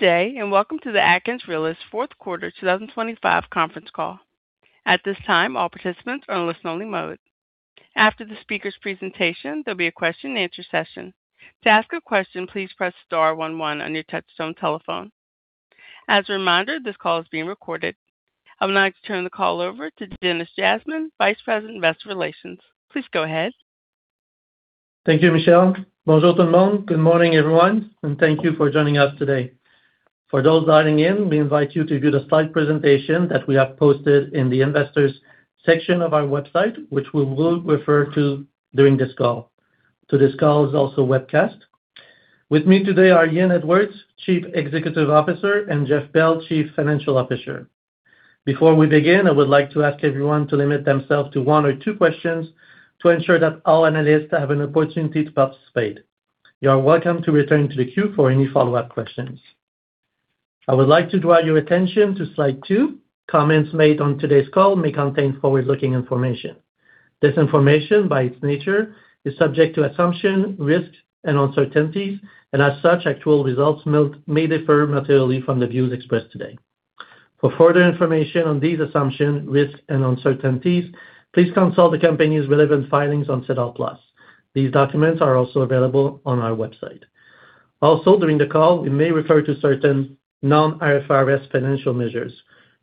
Good day. Welcome to the AtkinsRéalis fourth quarter 2025 conference call. At this time, all participants are in listen-only mode. After the speaker's presentation, there'll be a question and answer session. To ask a question, please press star one one on your touchtone telephone. As a reminder, this call is being recorded. I would now like to turn the call over to Denis Jasmin, Vice President, Investor Relations. Please go ahead. Thank you, Michelle. Bonjour, tout le monde. Good morning, everyone. Thank you for joining us today. For those dialing in, we invite you to view the slide presentation that we have posted in the Investors section of our website, which we will refer to during this call. Today's call is also webcast. With me today are Ian Edwards, Chief Executive Officer, and Jeff Bell, Chief Financial Officer. Before we begin, I would like to ask everyone to limit themselves to one or two questions to ensure that all analysts have an opportunity to participate. You are welcome to return to the queue for any follow-up questions. I would like to draw your attention to slide two. Comments made on today's call may contain forward-looking information. This information, by its nature, is subject to assumption, risks, and uncertainties, and as such, actual results may differ materially from the views expressed today. For further information on these assumptions, risks, and uncertainties, please consult the company's relevant filings on SEDAR+. These documents are also available on our website. Also, during the call, we may refer to certain non-IFRS financial measures.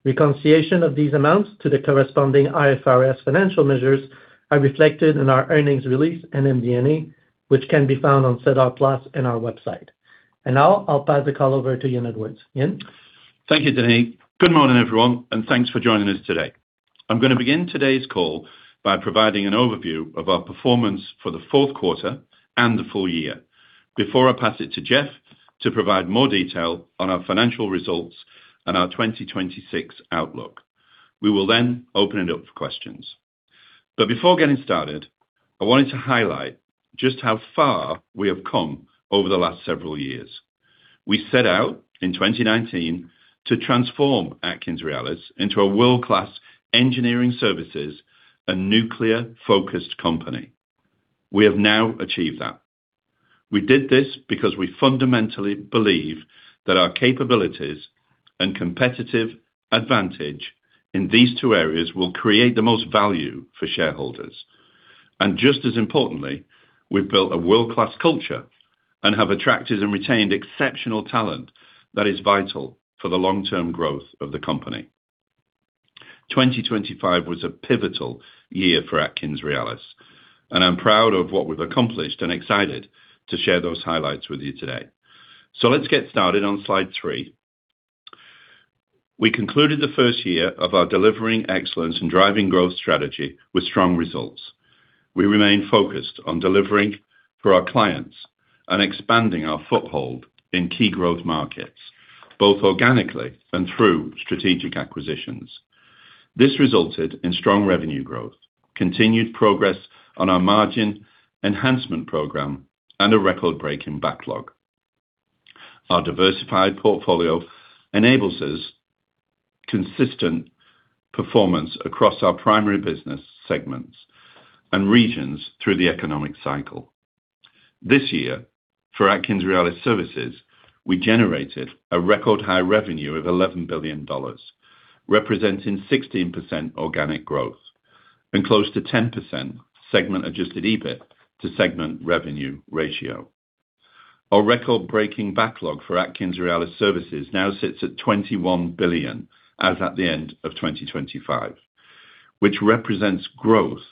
Reconciliation of these amounts to the corresponding IFRS financial measures are reflected in our earnings release and MD&A, which can be found on SEDAR+ and our website. Now, I'll pass the call over to Ian Edwards. Ian? Thank you, Denis. Good morning, everyone, thanks for joining us today. I'm going to begin today's call by providing an overview of our performance for the fourth quarter and the full year before I pass it to Jeff to provide more detail on our financial results and our 2026 outlook. We will open it up for questions. Before getting started, I wanted to highlight just how far we have come over the last several years. We set out in 2019 to transform AtkinsRéalis into a world-class engineering services and nuclear-focused company. We have now achieved that. We did this because we fundamentally believe that our capabilities and competitive advantage in these two areas will create the most value for shareholders. Just as importantly, we've built a world-class culture and have attracted and retained exceptional talent that is vital for the long-term growth of the company. 2025 was a pivotal year for AtkinsRéalis, I'm proud of what we've accomplished and excited to share those highlights with you today. Let's get started on slide three. We concluded the first year of our delivering excellence and driving growth strategy with strong results. We remain focused on delivering for our clients and expanding our foothold in key growth markets, both organically and through strategic acquisitions. This resulted in strong revenue growth, continued progress on our margin enhancement program, and a record-breaking backlog. Our diversified portfolio enables us consistent performance across our primary business segments and regions through the economic cycle. This year, for AtkinsRéalis Services, we generated a record high revenue of $11 billion, representing 16% organic growth and close to 10% segment adjusted EBIT to segment revenue ratio. Our record-breaking backlog for AtkinsRéalis Services now sits at $21 billion as at the end of 2025, which represents growth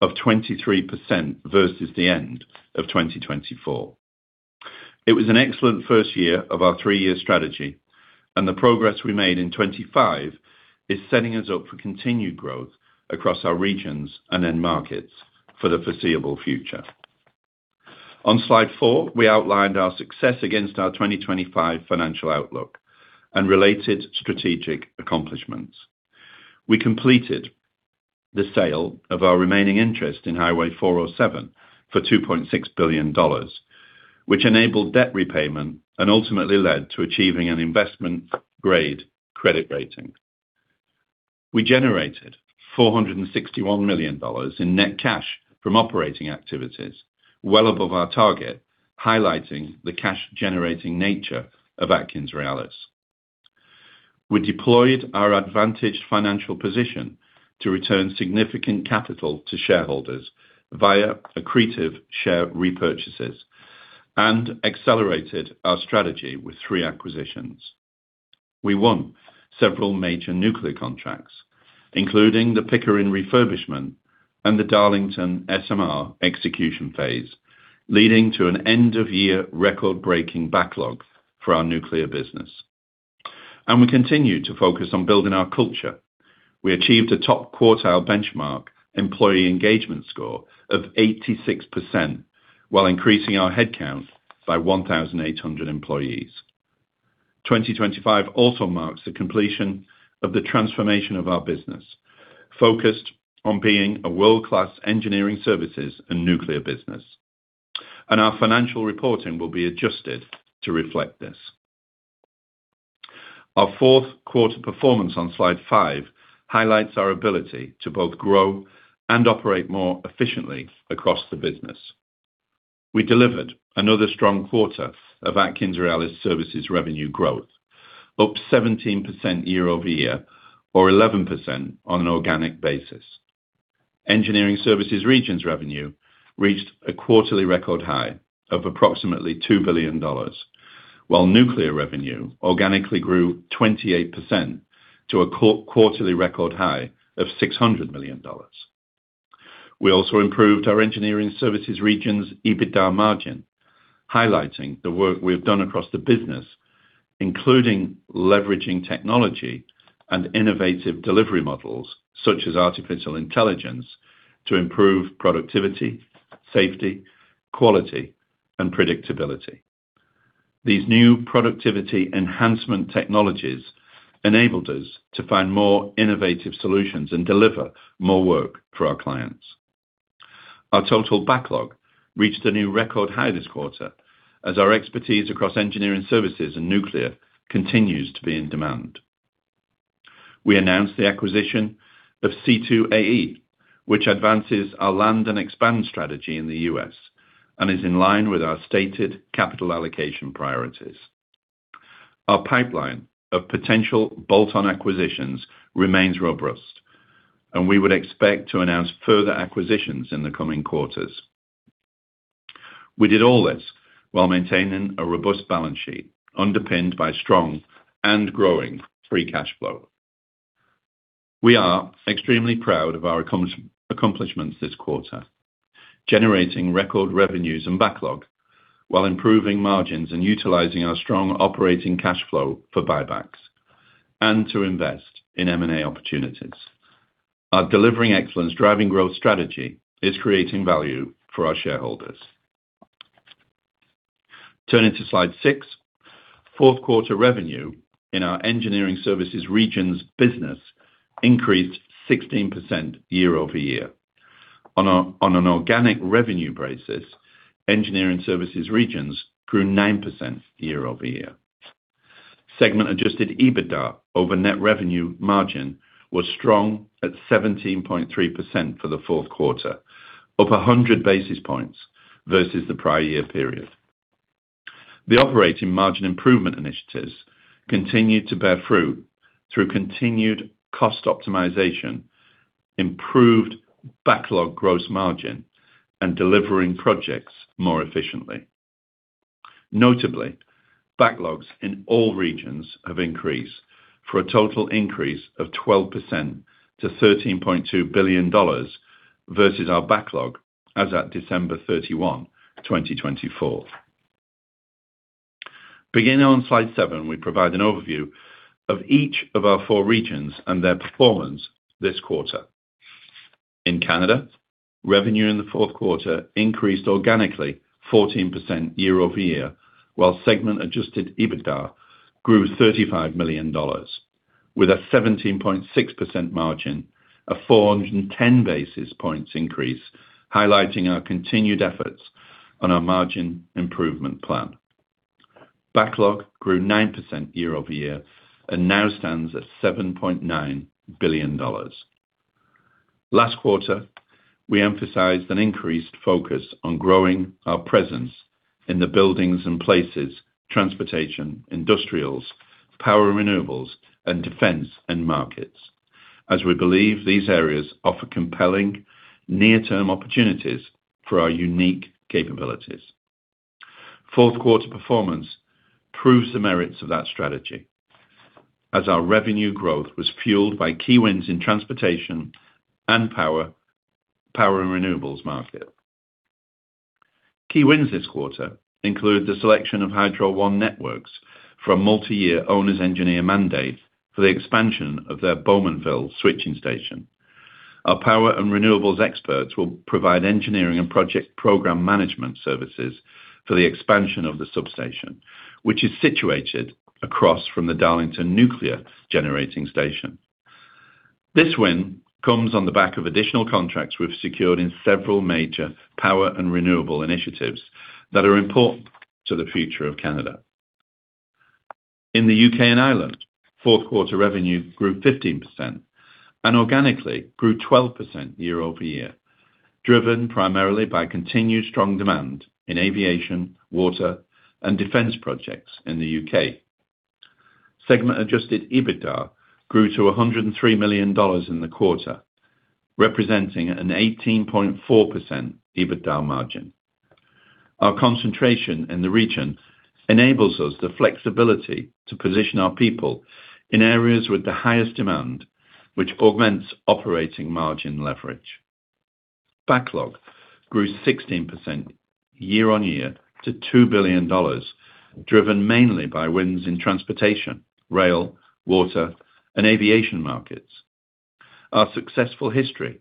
of 23% versus the end of 2024. It was an excellent first year of our three-year strategy, the progress we made in 2025 is setting us up for continued growth across our regions and end markets for the foreseeable future. On slide four, we outlined our success against our 2025 financial outlook and related strategic accomplishments. We completed the sale of our remaining interest in Highway 407 for $2.6 billion, which enabled debt repayment and ultimately led to achieving an investment-grade credit rating. We generated 461 million dollars in net cash from operating activities, well above our target, highlighting the cash-generating nature of AtkinsRéalis. We deployed our advantaged financial position to return significant capital to shareholders via accretive share repurchases and accelerated our strategy with three acquisitions. We won several major nuclear contracts, including the Pickering refurbishment and the Darlington SMR execution phase, leading to an end-of-year record-breaking backlog for our nuclear business. We continued to focus on building our culture. We achieved a top-quartile benchmark employee engagement score of 86%, while increasing our headcount by 1,800 employees. 2025 also marks the completion of the transformation of our business, focused on being a world-class engineering services and nuclear business, and our financial reporting will be adjusted to reflect this. Our fourth quarter performance on slide five, highlights our ability to both grow and operate more efficiently across the business. We delivered another strong quarter of AtkinsRéalis Services revenue growth, up 17% year-over-year, or 11% on an organic basis. Engineering Services regions revenue reached a quarterly record high of approximately $2 billion, while nuclear revenue organically grew 28% to a quarterly record high of $600 million. We also improved our Engineering Services region's EBITDA margin, highlighting the work we have done across the business, including leveraging technology and innovative delivery models, such as artificial intelligence, to improve productivity, safety, quality, and predictability. These new productivity enhancement technologies enabled us to find more innovative solutions and deliver more work for our clients. Our total backlog reached a new record high this quarter, as our expertise across engineering services and nuclear continues to be in demand. We announced the acquisition of C2AE, which advances our land and expand strategy in the U.S., and is in line with our stated capital allocation priorities. Our pipeline of potential bolt-on acquisitions remains robust, and we would expect to announce further acquisitions in the coming quarters. We did all this while maintaining a robust balance sheet, underpinned by strong and growing free cash flow. We are extremely proud of our accomplishments this quarter, generating record revenues and backlog while improving margins and utilizing our strong operating cash flow for buybacks and to invest in M&A opportunities. Our Delivering Excellence, Driving Growth strategy is creating value for our shareholders. Turning to slide six. Fourth quarter revenue in our engineering services regions business increased 16% year-over-year. On an organic revenue basis, engineering services regions grew 9% year-over-year. Segment adjusted EBITDA over net revenue margin was strong at 17.3% for the fourth quarter, up 100 basis points versus the prior year period. The operating margin improvement initiatives continued to bear fruit through continued cost optimization, improved backlog gross margin, and delivering projects more efficiently. Notably, backlogs in all regions have increased for a total increase of 12% to 13.2 billion dollars versus our backlog as at December 31, 2024. Beginning on slide seven,, we provide an overview of each of our four regions and their performance this quarter. In Canada, revenue in the fourth quarter increased organically 14% year-over-year, while segment-adjusted EBITDA grew 35 million dollars, with a 17.6% margin, a 410 basis points increase, highlighting our continued efforts on our margin improvement plan. Backlog grew 9% year-over-year and now stands at 7.9 billion dollars. Last quarter, we emphasized an increased focus on growing our presence in the buildings and places, transportation, industrials, power and renewables, and defense end markets, as we believe these areas offer compelling near-term opportunities for our unique capabilities. Fourth quarter performance proves the merits of that strategy, as our revenue growth was fueled by key wins in transportation and power and renewables market. Key wins this quarter include the selection of Hydro One Networks for a multiyear owner's engineer mandate for the expansion of their Bowmanville switching station. Our power and renewables experts will provide engineering and project program management services for the expansion of the substation, which is situated across from the Darlington Nuclear Generating Station. This win comes on the back of additional contracts we've secured in several major power and renewable initiatives that are important to the future of Canada. In the U.K. and Ireland, fourth quarter revenue grew 15% and organically grew 12% year-over-year, driven primarily by continued strong demand in aviation, water, and defense projects in the U.K. Segment adjusted EBITDA grew to 103 million dollars in the quarter, representing an 18.4% EBITDA margin. Our concentration in the region enables us the flexibility to position our people in areas with the highest demand, which augments operating margin leverage. Backlog grew 16% year-on-year to $2 billion, driven mainly by wins in transportation, rail, water, and aviation markets. Our successful history,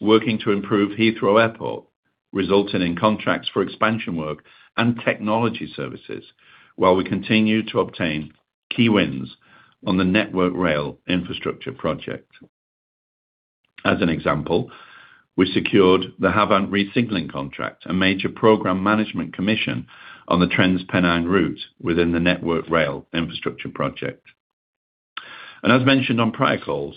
working to improve Heathrow Airport, resulting in contracts for expansion work and technology services, while we continue to obtain key wins on the Network Rail Infrastructure project. As an example, we secured the Havant Resignaling contract, a major program management commission on the Transpennine Route within the Network Rail Infrastructure project. As mentioned on prior calls,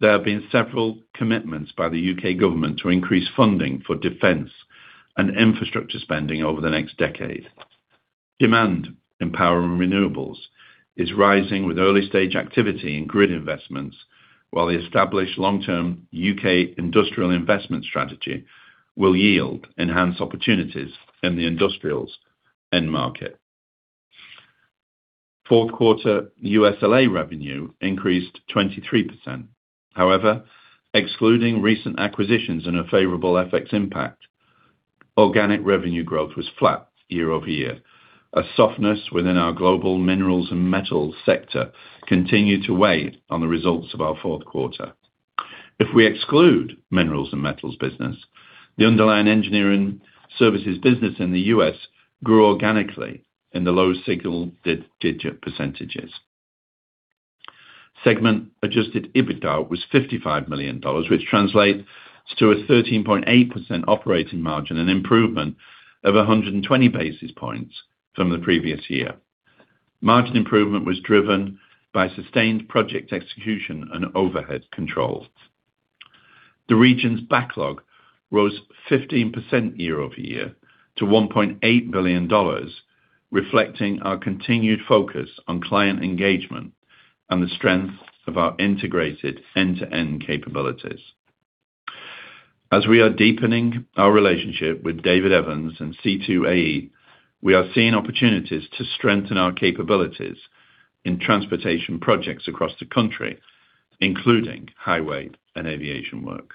there have been several commitments by the U.K. government to increase funding for defense and infrastructure spending over the next decade. Demand in power and renewables is rising with early stage activity in grid investments, while the established long-term U.K. industrial investment strategy will yield enhanced opportunities in the industrials end market. Fourth quarter USLA revenue increased 23%. Excluding recent acquisitions and a favorable FX impact, organic revenue growth was flat year-over-year. A softness within our global minerals and metals sector continued to weigh on the results of our fourth quarter. If we exclude minerals and metals business, the underlying engineering services business in the U.S. grew organically in the low single-digit percentages. Segment adjusted EBITDA was 55 million dollars, which translates to a 13.8% operating margin, an improvement of 120 basis points from the previous year. Margin improvement was driven by sustained project execution and overhead controls. The region's backlog rose 15% year-over-year to 1.8 billion dollars, reflecting our continued focus on client engagement and the strength of our integrated end-to-end capabilities. As we are deepening our relationship with David Evans and C2AE, we are seeing opportunities to strengthen our capabilities in transportation projects across the country, including highway and aviation work.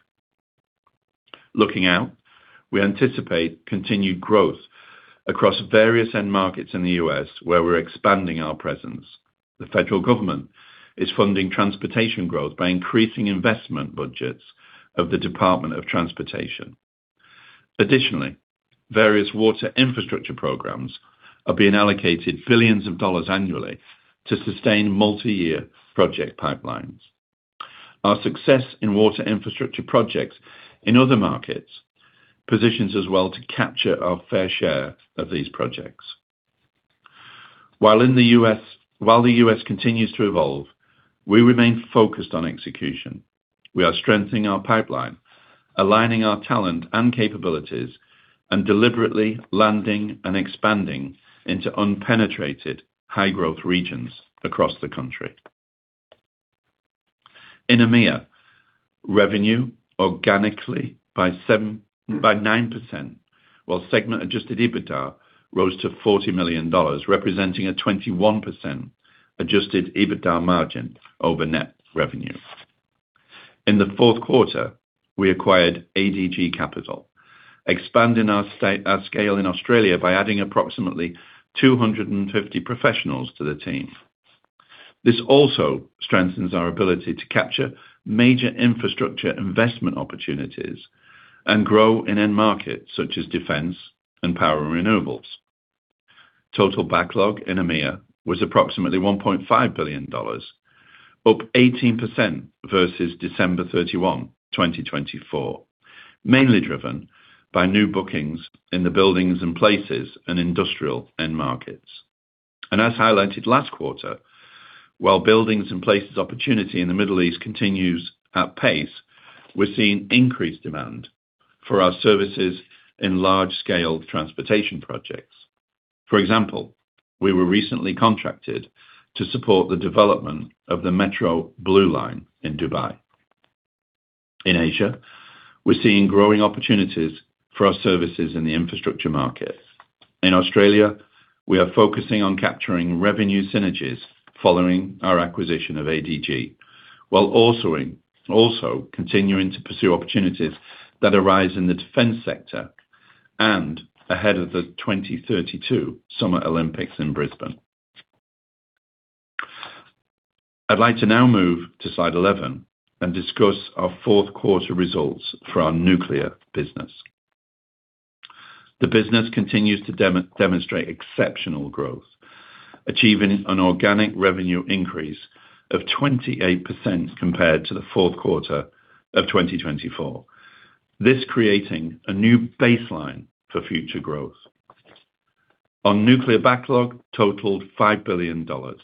Looking out, we anticipate continued growth across various end markets in the U.S. where we're expanding our presence. The federal government is funding transportation growth by increasing investment budgets of the Department of Transportation. Additionally, various water infrastructure programs are being allocated billions of dollars annually to sustain multi-year project pipelines. Our success in water infrastructure projects in other markets positions us well to capture our fair share of these projects. While the U.S. continues to evolve, we remain focused on execution. We are strengthening our pipeline, aligning our talent and capabilities, and deliberately landing and expanding into unpenetrated high growth regions across the country. In EMEA, revenue organically by 9%, while segment adjusted EBITDA rose to $40 million, representing a 21% adjusted EBITDA margin over net revenue. In the fourth quarter, we acquired ADG Capital, expanding our scale in Australia by adding approximately 250 professionals to the team. This also strengthens our ability to capture major infrastructure investment opportunities and grow in end markets such as defense and power renewables. Total backlog in EMEA was approximately $1.5 billion, up 18% versus December 31, 2024, mainly driven by new bookings in the buildings and places and industrial end markets. As highlighted last quarter, while buildings and places opportunity in the Middle East continues at pace, we're seeing increased demand for our services in large-scale transportation projects. For example, we were recently contracted to support the development of the Dubai Metro Blue Line. In Asia, we're seeing growing opportunities for our services in the infrastructure market. In Australia, we are focusing on capturing revenue synergies following our acquisition of ADG, while also continuing to pursue opportunities that arise in the defense sector and ahead of the 2032 Summer Olympics in Brisbane. I'd like to now move to slide 11 and discuss our fourth quarter results for our nuclear business. The business continues to demonstrate exceptional growth, achieving an organic revenue increase of 28% compared to the fourth quarter of 2024, this creating a new baseline for future growth. Our nuclear backlog totaled 5 billion dollars,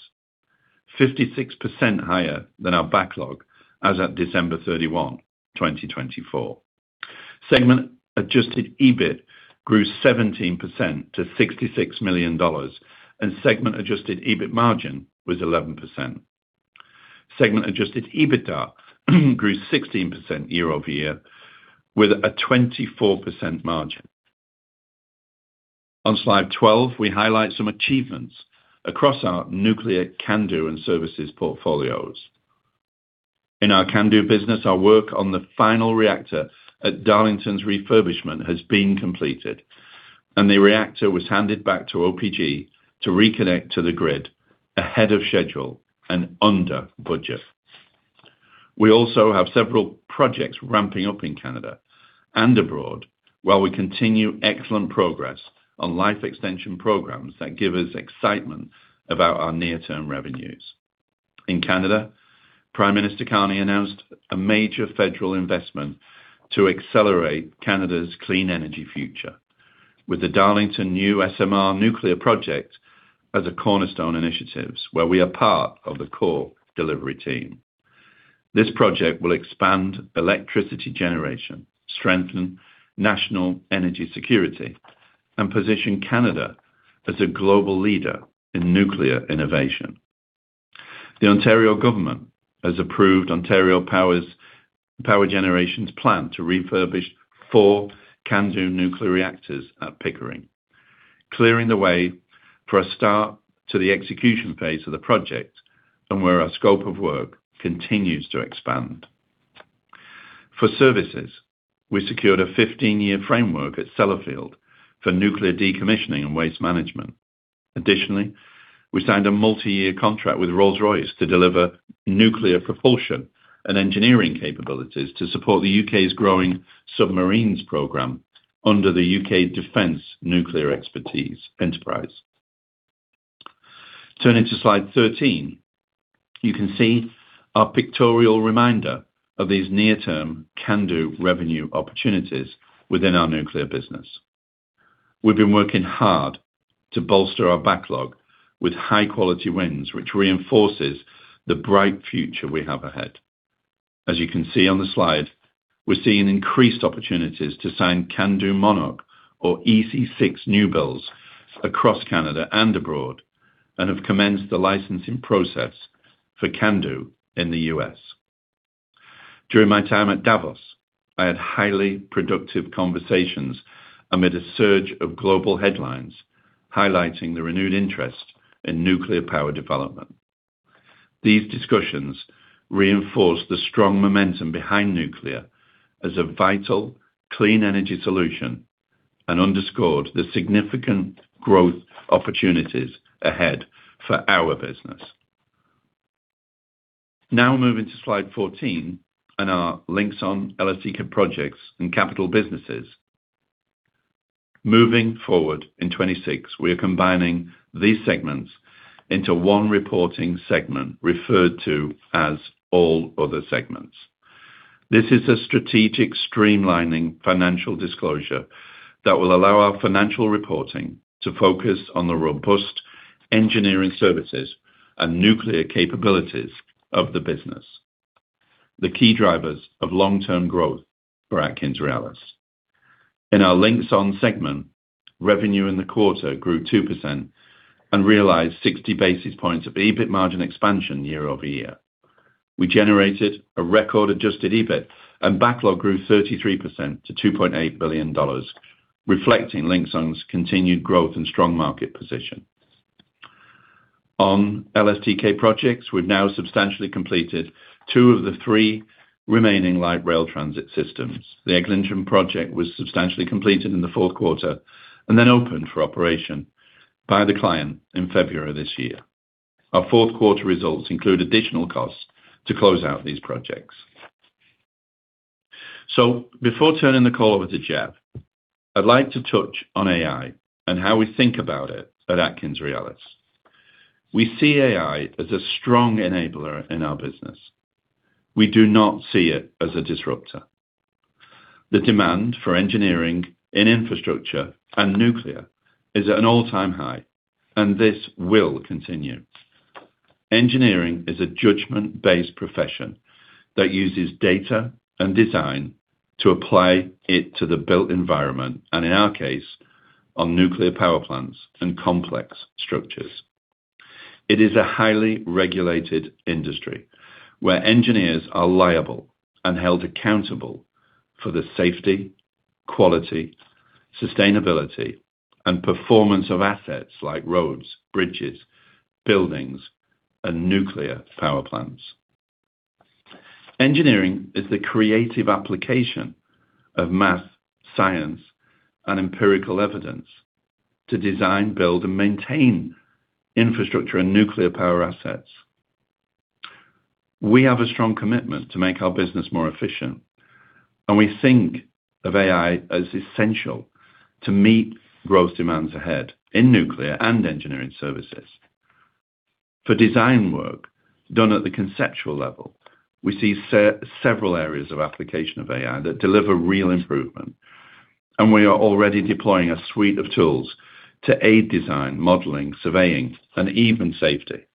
56% higher than our backlog as at December 31, 2024. Segment adjusted EBIT grew 17% to 66 million dollars. Segment adjusted EBIT margin was 11%. Segment adjusted EBITDA grew 16% year-over-year, with a 24% margin. On slide 12, we highlight some achievements across our nuclear CANDU and Services portfolios. In our CANDU business, our work on the final reactor at Darlington's refurbishment has been completed. The reactor was handed back to OPG to reconnect to the grid ahead of schedule and under budget. We also have several projects ramping up in Canada and abroad while we continue excellent progress on life extension programs that give us excitement about our near-term revenues. In Canada, Prime Minister Carney announced a major federal investment to accelerate Canada's clean energy future, with the Darlington new SMR nuclear project as a cornerstone initiatives, where we are part of the core delivery team. This project will expand electricity generation, strengthen national energy security, and position Canada as a global leader in nuclear innovation. The Ontario government has approved Ontario Power Generation's plan to refurbish four CANDU nuclear reactors at Pickering, clearing the way for a start to the execution phase of the project where our scope of work continues to expand. For services, we secured a 15-year framework at Sellafield for nuclear decommissioning and waste management. Additionally, we signed a multi-year contract with Rolls-Royce to deliver nuclear propulsion and engineering capabilities to support the U.K.'s growing submarines program under the UK Defence Nuclear Enterprise. Turning to slide 13, you can see our pictorial reminder of these near-term CANDU revenue opportunities within our nuclear business. We've been working hard to bolster our backlog with high-quality wins, which reinforces the bright future we have ahead. As you can see on the slide, we're seeing increased opportunities to sign CANDU MONARK or EC6 new builds across Canada and abroad, and have commenced the licensing process for CANDU in the U.S. During my time at Davos, I had highly productive conversations amid a surge of global headlines, highlighting the renewed interest in nuclear power development. These discussions reinforced the strong momentum behind nuclear as a vital, clean energy solution and underscored the significant growth opportunities ahead for our business. Now moving to slide 14 and our Linxon LSTK Projects and capital businesses. Moving forward, in 2026, we are combining these segments into one reporting segment, referred to as All Other Segments. This is a strategic, streamlining financial disclosure that will allow our financial reporting to focus on the robust engineering services and nuclear capabilities of the business, the key drivers of long-term growth for AtkinsRéalis. In our Linxon segment, revenue in the quarter grew 2% and realized 60 basis points of EBIT margin expansion year-over-year. We generated a record adjusted EBIT, and backlog grew 33% to 2.8 billion dollars, reflecting Linxon's continued growth and strong market position. On LSTK projects, we've now substantially completed two of the three remaining light rail transit systems. The Eglinton project was substantially completed in the fourth quarter and then opened for operation by the client in February of this year. Our fourth quarter results include additional costs to close out these projects. Before turning the call over to Jeff, I'd like to touch on AI and how we think about it at AtkinsRéalis. We see AI as a strong enabler in our business. We do not see it as a disruptor. The demand for engineering in infrastructure and nuclear is at an all-time high. This will continue. Engineering is a judgment-based profession that uses data and design to apply it to the built environment. In our case, on nuclear power plants and complex structures. It is a highly regulated industry, where engineers are liable and held accountable for the safety, quality, sustainability, and performance of assets like roads, bridges, buildings, and nuclear power plants. Engineering is the creative application of math, science, and empirical evidence to design, build, and maintain infrastructure and nuclear power assets. We have a strong commitment to make our business more efficient. We think of AI as essential to meet growth demands ahead in nuclear and engineering services. For design work done at the conceptual level, we see several areas of application of AI that deliver real improvement, and we are already deploying a suite of tools to aid design, modeling, surveying, and even safety.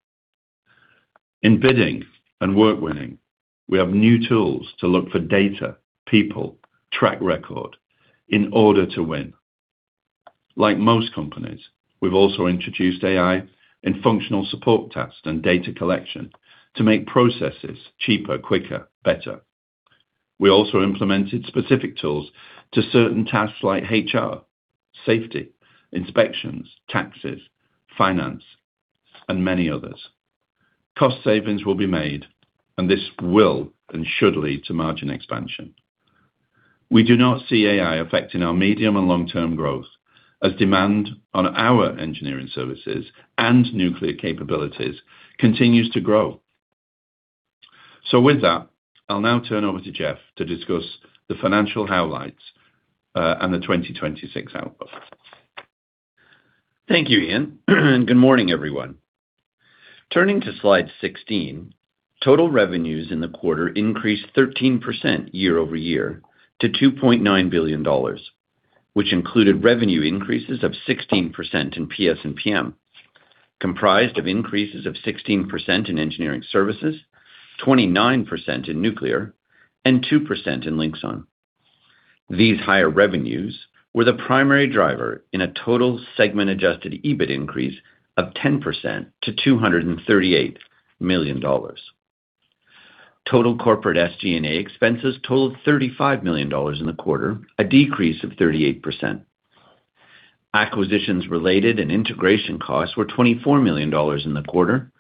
In bidding and work winning, we have new tools to look for data, people, track record in order to win. Like most companies, we've also introduced AI in functional support tasks and data collection to make processes cheaper, quicker, better. We also implemented specific tools to certain tasks like HR, safety, inspections, taxes, finance, and many others. Cost savings will be made, and this will and should lead to margin expansion. We do not see AI affecting our medium and long-term growth, as demand on our engineering services and nuclear capabilities continues to grow.... With that, I'll now turn over to Jeff to discuss the financial highlights, and the 2026 outlook. Thank you, Ian. Good morning, everyone. Turning to slide 16, total revenues in the quarter increased 13% year-over-year to 2.9 billion dollars, which included revenue increases of 16% in PS&PM, comprised of increases of 16% in engineering services, 29% in nuclear, and 2% in Linxon. These higher revenues were the primary driver in a total segment adjusted EBIT increase of 10% to 238 million dollars. Total corporate SG&A expenses totaled 35 million dollars in the quarter, a decrease of 38%. Acquisitions related and integration costs were 24 million dollars in the quarter,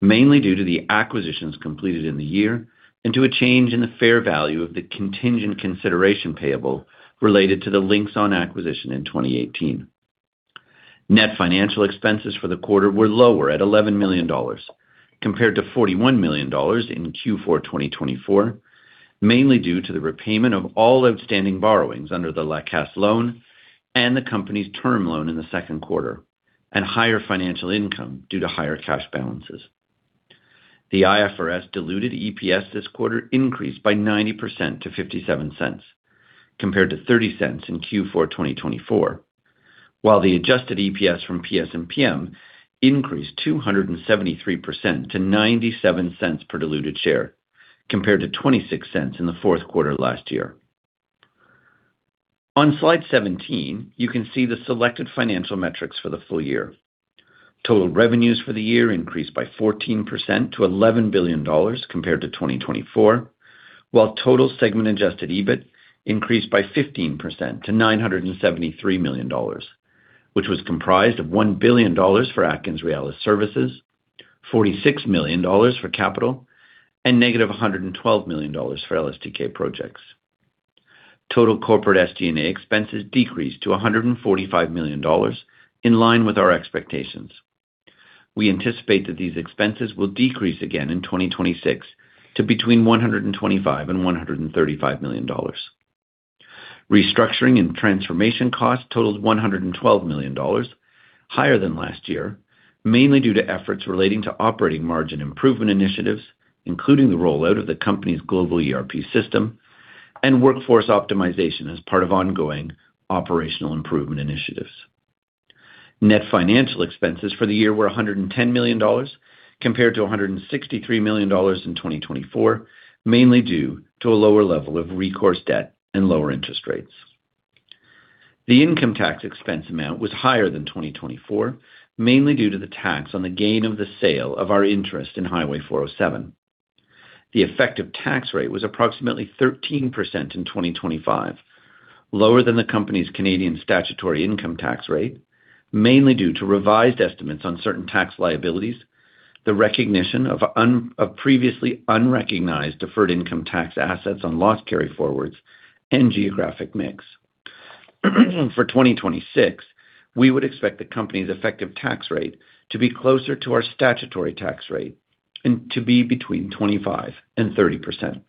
mainly due to the acquisitions completed in the year, and to a change in the fair value of the contingent consideration payable related to the Linxon acquisition in 2018. Net financial expenses for the quarter were lower at 11 million dollars, compared to 41 million dollars in Q4 2024, mainly due to the repayment of all outstanding borrowings under the la Caisse loan and the company's term loan in the second quarter, and higher financial income due to higher cash balances. The IFRS diluted EPS this quarter increased by 90% to 0.57, compared to 0.30 in Q4 2024. While the adjusted EPS from PS and PM increased 273% to 0.97 per diluted share, compared to 0.26 in the fourth quarter last year. On slide 17, you can see the selected financial metrics for the full year. Total revenues for the year increased by 14% to $11 billion compared to 2024, while total segment-adjusted EBIT increased by 15% to $973 million, which was comprised of $1 billion for AtkinsRéalis Services, $46 million for capital, and -$112 million for LSTK Projects. Total corporate SG&A expenses decreased to $145 million, in line with our expectations. We anticipate that these expenses will decrease again in 2026 to between $125 million and $135 million. Restructuring and transformation costs totaled $112 million, higher than last year, mainly due to efforts relating to operating margin improvement initiatives, including the rollout of the company's global ERP system and workforce optimization as part of ongoing operational improvement initiatives. Net financial expenses for the year were 110 million dollars, compared to 163 million dollars in 2024, mainly due to a lower level of recourse debt and lower interest rates. The income tax expense amount was higher than 2024, mainly due to the tax on the gain of the sale of our interest in Highway 407. The effective tax rate was approximately 13% in 2025, lower than the company's Canadian statutory income tax rate, mainly due to revised estimates on certain tax liabilities, the recognition of previously unrecognized deferred income tax assets on loss carryforwards, and geographic mix. 2026, we would expect the company's effective tax rate to be closer to our statutory tax rate and to be between 25% and 30%.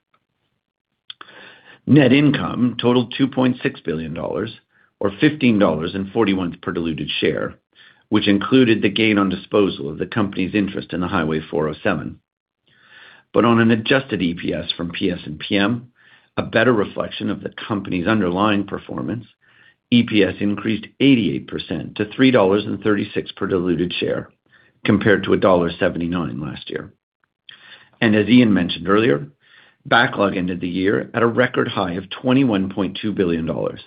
Net income totaled 2.6 billion dollars, or 15.41 dollars per diluted share, which included the gain on disposal of the company's interest in the Highway 407. On an adjusted EPS from PS&PM, a better reflection of the company's underlying performance, EPS increased 88% to 3.36 dollars per diluted share, compared to dollar 1.79 last year. As Ian mentioned earlier, backlog ended the year at a record high of 21.2 billion dollars,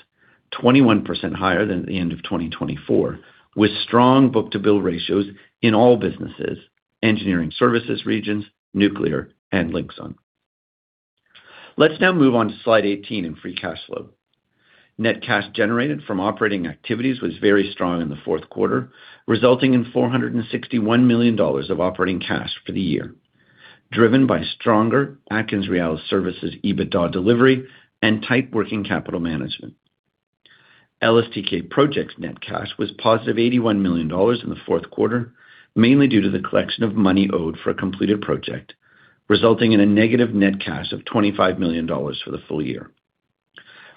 21 higher than the end of 2024, with strong book-to-bill ratios in all businesses, engineering services regions, nuclear, and Linxon. Let's now move on to slide 18 in free cash flow. Net cash generated from operating activities was very strong in the fourth quarter, resulting in $461 million of operating cash for the year, driven by stronger AtkinsRéalis Services' EBITDA delivery and tight working capital management. LSTK Projects' net cash was +$81 million in the fourth quarter, mainly due to the collection of money owed for a completed project, resulting in a negative net cash of $25 million for the full year.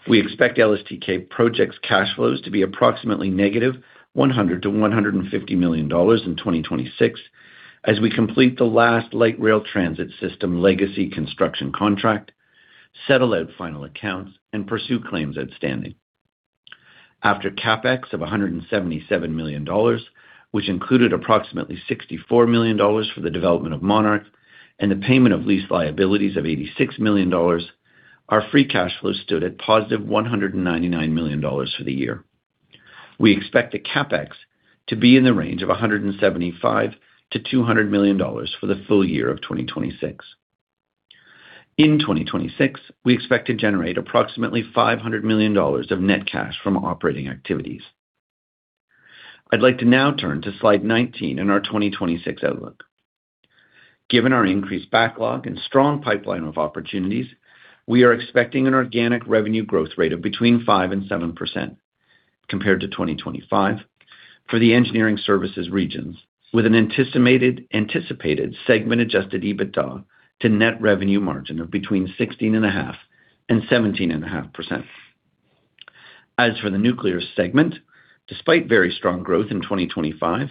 We expect LSTK Projects' cash flows to be approximately -$100 million-$150 million in 2026 as we complete the last light rail transit system legacy construction contract, settle out final accounts, and pursue claims outstanding. After CapEx of $177 million, which included approximately $64 million for the development of MONARK and the payment of lease liabilities of $86 million, our free cash flow stood at positive $199 million for the year. We expect the CapEx to be in the range of $175 million-$200 million for the full year of 2026. In 2026, we expect to generate approximately $500 million of net cash from operating activities. I'd like to now turn to slide 19 in our 2026 outlook. Given our increased backlog and strong pipeline of opportunities, we are expecting an organic revenue growth rate of between 5%-7%. compared to 2025 for the engineering services regions, with an anticipated segment adjusted EBITDA to net revenue margin of between 16.5% and 17.5%. As for the nuclear segment, despite very strong growth in 2025,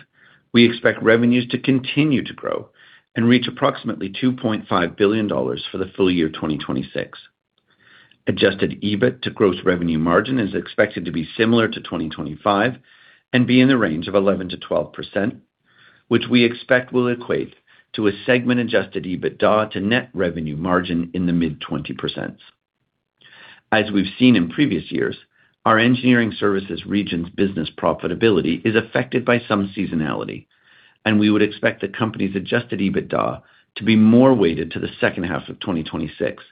we expect revenues to continue to grow and reach approximately 2.5 billion dollars for the full year 2026. Adjusted EBIT to gross revenue margin is expected to be similar to 2025 and be in the range of 11%-12%, which we expect will equate to a segment adjusted EBITDA to net revenue margin in the mid-20s%. As we've seen in previous years, our engineering services regions business profitability is affected by some seasonality, we would expect the company's adjusted EBITDA to be more weighted to the second half of 2026,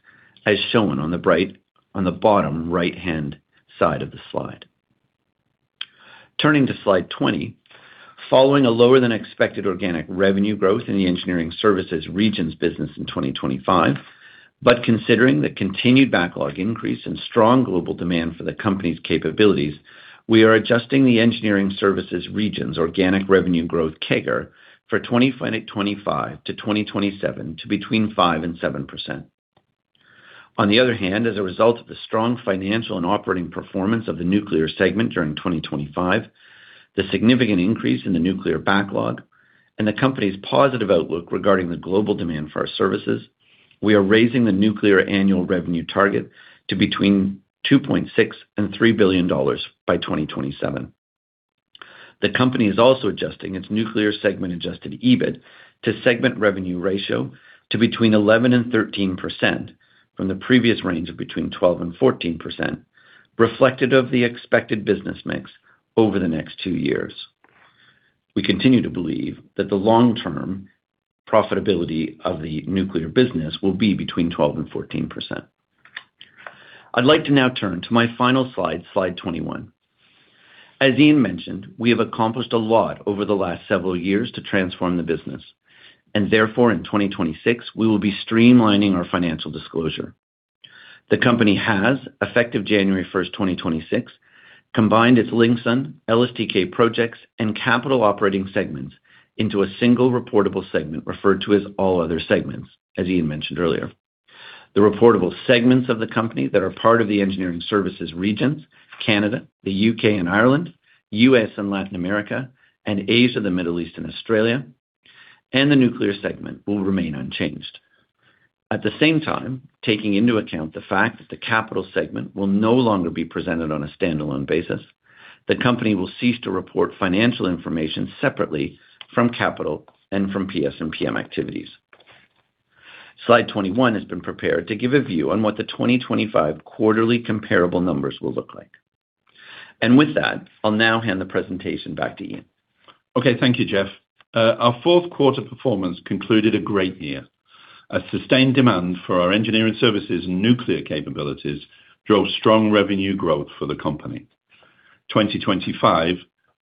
as shown on the bottom right-hand side of the slide. Turning to slide 20. Following a lower than expected organic revenue growth in the engineering services regions business in 2025, considering the continued backlog increase and strong global demand for the company's capabilities, we are adjusting the engineering services regions organic revenue growth CAGR for 2025-2027 to between 5% and 7%. On the other hand, as a result of the strong financial and operating performance of the nuclear segment during 2025, the significant increase in the nuclear backlog and the company's positive outlook regarding the global demand for our services, we are raising the nuclear annual revenue target to between $2.6 billion and $3 billion by 2027. The company is also adjusting its nuclear segment adjusted EBIT to segment revenue ratio to between 11% and 13% from the previous range of between 12% and 14%, reflective of the expected business mix over the next two years. We continue to believe that the long-term profitability of the nuclear business will be between 12% and 14%. I'd like to now turn to my final slide 21. As Ian mentioned, we have accomplished a lot over the last several years to transform the business, and therefore, in 2026, we will be streamlining our financial disclosure. The company has, effective January first, 2026, combined its Linxon, LSTK Projects and capital operating segments into a single reportable segment, referred to as All Other Segments, as Ian mentioned earlier. The reportable segments of the company that are part of the engineering services regions, Canada, the U.K. and Ireland, U.S. and Latin America, and Asia, the Middle East and Australia, and the nuclear segment, will remain unchanged. At the same time, taking into account the fact that the capital segment will no longer be presented on a standalone basis, the company will cease to report financial information separately from capital and from PS and PM activities. Slide 21 has been prepared to give a view on what the 2025 quarterly comparable numbers will look like. With that, I'll now hand the presentation back to Ian. Okay, thank you, Jeff. Our fourth quarter performance concluded a great year. A sustained demand for our engineering services and nuclear capabilities drove strong revenue growth for the company. 2025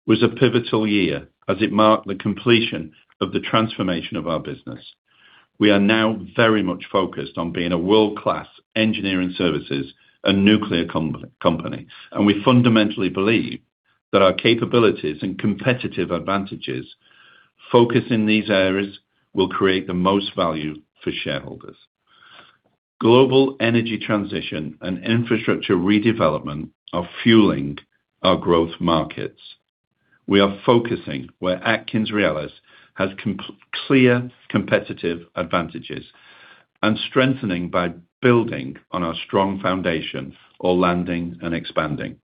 was a pivotal year as it marked the completion of the transformation of our business. We are now very much focused on being a world-class engineering services and nuclear company, and we fundamentally believe that our capabilities and competitive advantages focused in these areas will create the most value for shareholders. Global energy transition and infrastructure redevelopment are fueling our growth markets. We are focusing where AtkinsRéalis has clear competitive advantages and strengthening by building on our strong foundation or landing and expanding.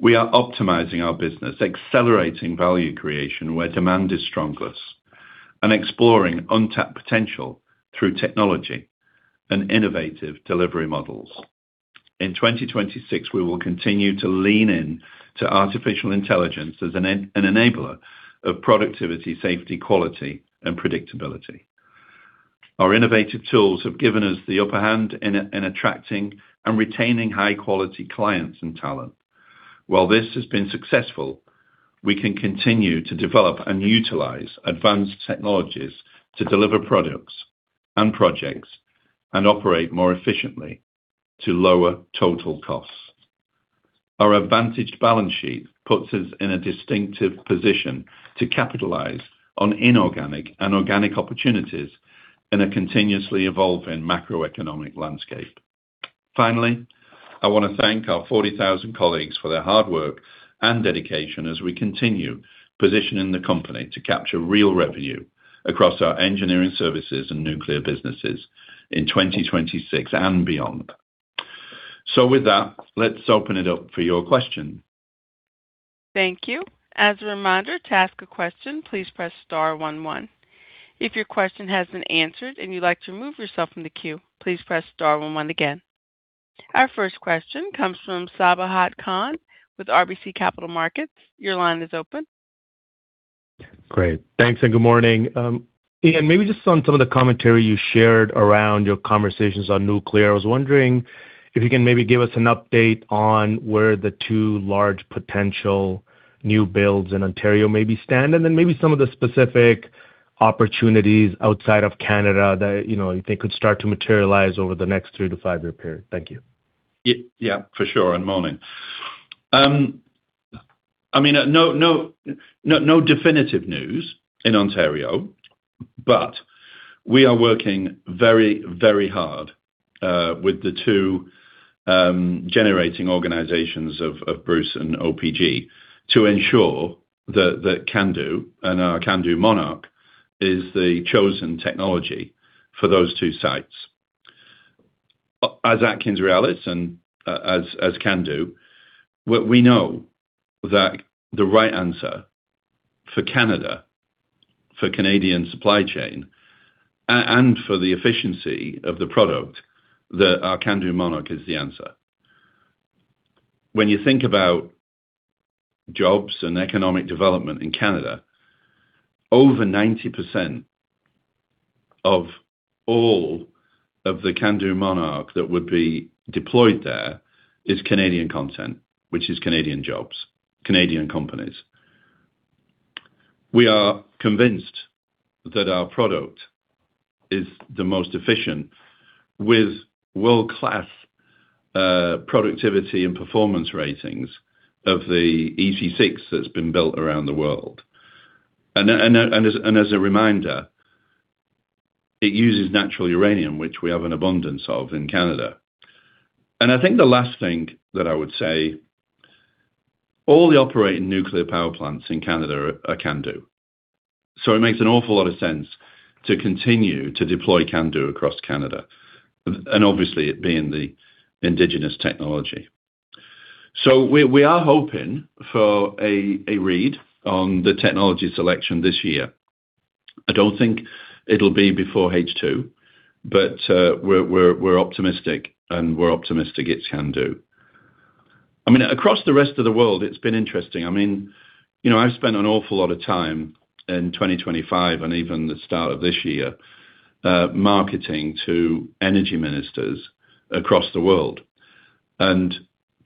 We are optimizing our business, accelerating value creation where demand is strongest, and exploring untapped potential through technology and innovative delivery models. In 2026, we will continue to lean in to artificial intelligence as an enabler of productivity, safety, quality and predictability. Our innovative tools have given us the upper hand in attracting and retaining high-quality clients and talent. While this has been successful, we can continue to develop and utilize advanced technologies to deliver products and projects and operate more efficiently to lower total costs. Our advantaged balance sheet puts us in a distinctive position to capitalize on inorganic and organic opportunities in a continuously evolving macroeconomic landscape. Finally, I want to thank our 40,000 colleagues for their hard work and dedication as we continue positioning the company to capture real revenue across our engineering services and nuclear businesses in 2026 and beyond. With that, let's open it up for your questions. Thank you. As a reminder, to ask a question, please press star one one. If your question has been answered and you'd like to remove yourself from the queue, please press star one one again. Our first question comes from Sabahat Khan with RBC Capital Markets. Your line is open. Great. Thanks, and good morning. Ian, maybe just on some of the commentary you shared around your conversations on nuclear. I was wondering if you can maybe give us an update on where the two large potential new builds in Ontario maybe stand, and then maybe some of the specific opportunities outside of Canada that, you know, they could start to materialize over the next three to five-year period? Thank you. Yeah, for sure, morning. I mean, no definitive news in Ontario, we are working very, very hard with the two generating organizations of Bruce and OPG to ensure that CANDU and our CANDU MONARK is the chosen technology for those two sites. As AtkinsRéalis and as CANDU, what we know that the right answer for Canada, for Canadian supply chain, and for the efficiency of the product, that our CANDU MONARK is the answer. When you think about jobs and economic development in Canada, over 90% of all of the CANDU MONARK that would be deployed there is Canadian content, which is Canadian jobs, Canadian companies. We are convinced that our product is the most efficient with world-class productivity and performance ratings of the EC6 that's been built around the world. As a reminder, it uses natural uranium, which we have an abundance of in Canada. I think the last thing that I would say, all the operating nuclear power plants in Canada are Candu. It makes an awful lot of sense to continue to deploy Candu across Canada, and obviously it being the indigenous technology. We are hoping for a read on the technology selection this year. I don't think it'll be before H2, but we're optimistic, and we're optimistic it's Candu. I mean, across the rest of the world, it's been interesting. I mean, you know, I've spent an awful lot of time in 2025, and even the start of this year, marketing to energy ministers across the world, and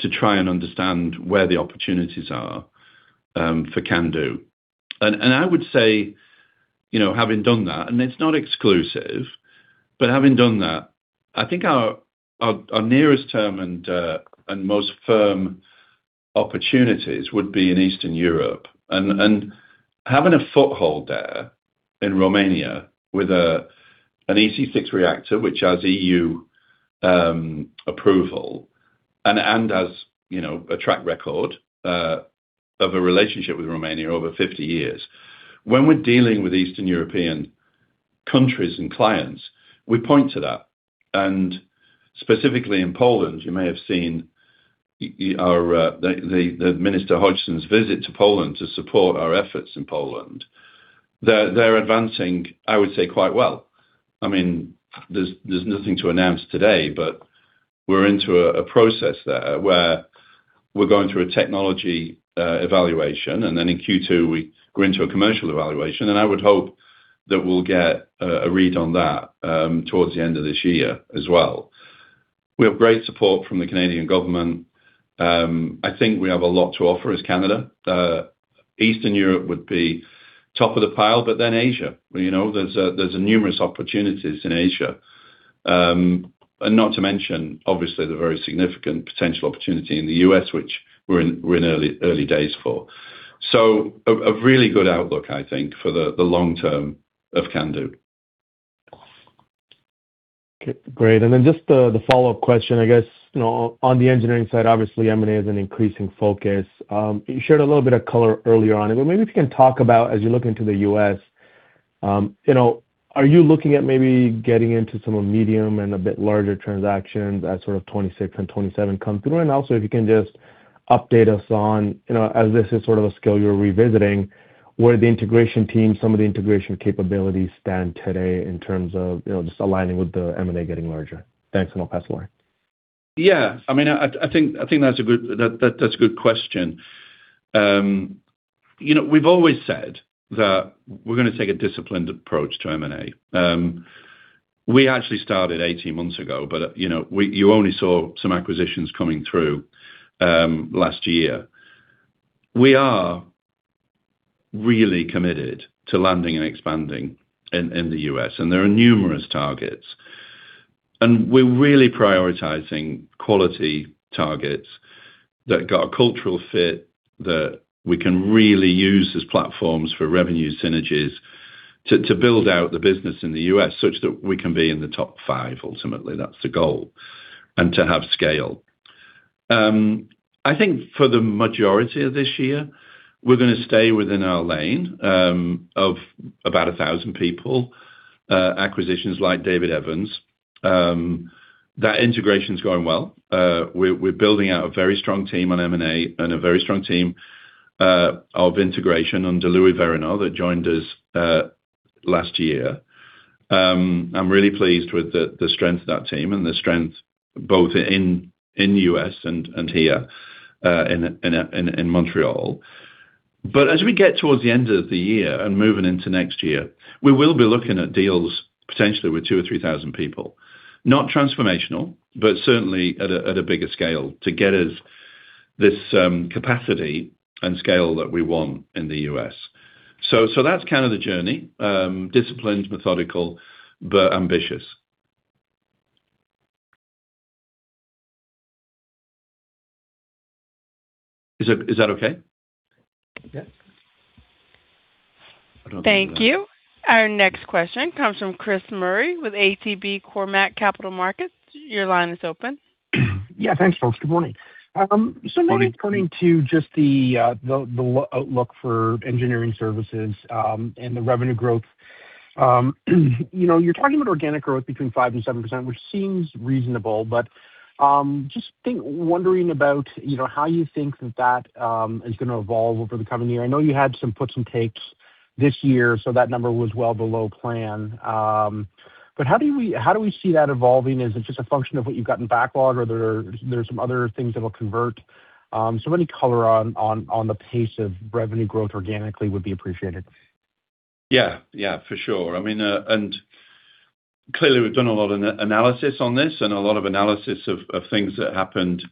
to try and understand where the opportunities are for Candu. I would say, you know, having done that, and it's not exclusive, but having done that, I think our nearest term and most firm opportunities would be in Eastern Europe, and having a foothold there in Romania with an EC6 reactor, which has EU approval and as you know, a track record of a relationship with Romania over 50 years. When we're dealing with Eastern European countries and clients, we point to that. Specifically in Poland, you may have seen our, the Minister Hodgson's visit to Poland to support our efforts in Poland, they're advancing, I would say, quite well. I mean, there's nothing to announce today, but we're into a process there, where we're going through a technology evaluation, and then in Q2, we go into a commercial evaluation, and I would hope that we'll get a read on that towards the end of this year as well. We have great support from the Canadian Government. I think we have a lot to offer as Canada. Eastern Europe would be top of the pile, but then Asia, you know, there's numerous opportunities in Asia. Not to mention, obviously, the very significant potential opportunity in the U.S., which we're in early days for. A really good outlook, I think, for the long term of CANDU. Okay, great. Just the follow-up question, I guess, you know, on the engineering side, obviously, M&A is an increasing focus. You shared a little bit of color earlier on, but maybe if you can talk about, as you look into the U.S., you know, are you looking at maybe getting into some of medium and a bit larger transactions as sort of 2026 and 2027 come through? Also, if you can just update us on, you know, as this is sort of a scale you're revisiting, where the integration team, some of the integration capabilities stand today in terms of, you know, just aligning with the M&A getting larger. Thanks. I'll pass to Laurie. Yeah. I mean, I think that's a good question. You know, we've always said that we're gonna take a disciplined approach to M&A. We actually started 18 months ago, you know, you only saw some acquisitions coming through last year. We are really committed to landing and expanding in the U.S., there are numerous targets. We're really prioritizing quality targets that got a cultural fit, that we can really use as platforms for revenue synergies to build out the business in the U.S., such that we can be in the top five ultimately, that's the goal, and to have scale. I think for the majority of this year, we're gonna stay within our lane of about 1,000 people, acquisitions like David Evans, that integration's going well. We're building out a very strong team on M&A, and a very strong team of integration under Louis Verreault, that joined us last year. I'm really pleased with the strength of that team and the strength both in U.S. and here in Montreal. As we get towards the end of the year and moving into next year, we will be looking at deals potentially with 2,000 or 3,000 people. Not transformational, but certainly at a bigger scale to get us this capacity and scale that we want in the U.S.. That's kind of the journey. Disciplined, methodical, but ambitious. Is that okay? Yeah. Thank you. Our next question comes from Chris Murray with ATB Capital Markets. Your line is open. Yeah, thanks, folks. Good morning. Maybe turning to just the outlook for engineering services and the revenue growth. You know, you're talking about organic growth between 5% and 7%, which seems reasonable, but wondering about, you know, how you think that that is gonna evolve over the coming year. I know you had some puts and takes this year, that number was well below plan. How do we see that evolving? Is it just a function of what you've got in backlog, or there's some other things that will convert? Any color on the pace of revenue growth organically would be appreciated. Yeah, yeah, for sure. I mean, clearly we've done a lot of analysis on this and a lot of analysis of things that happened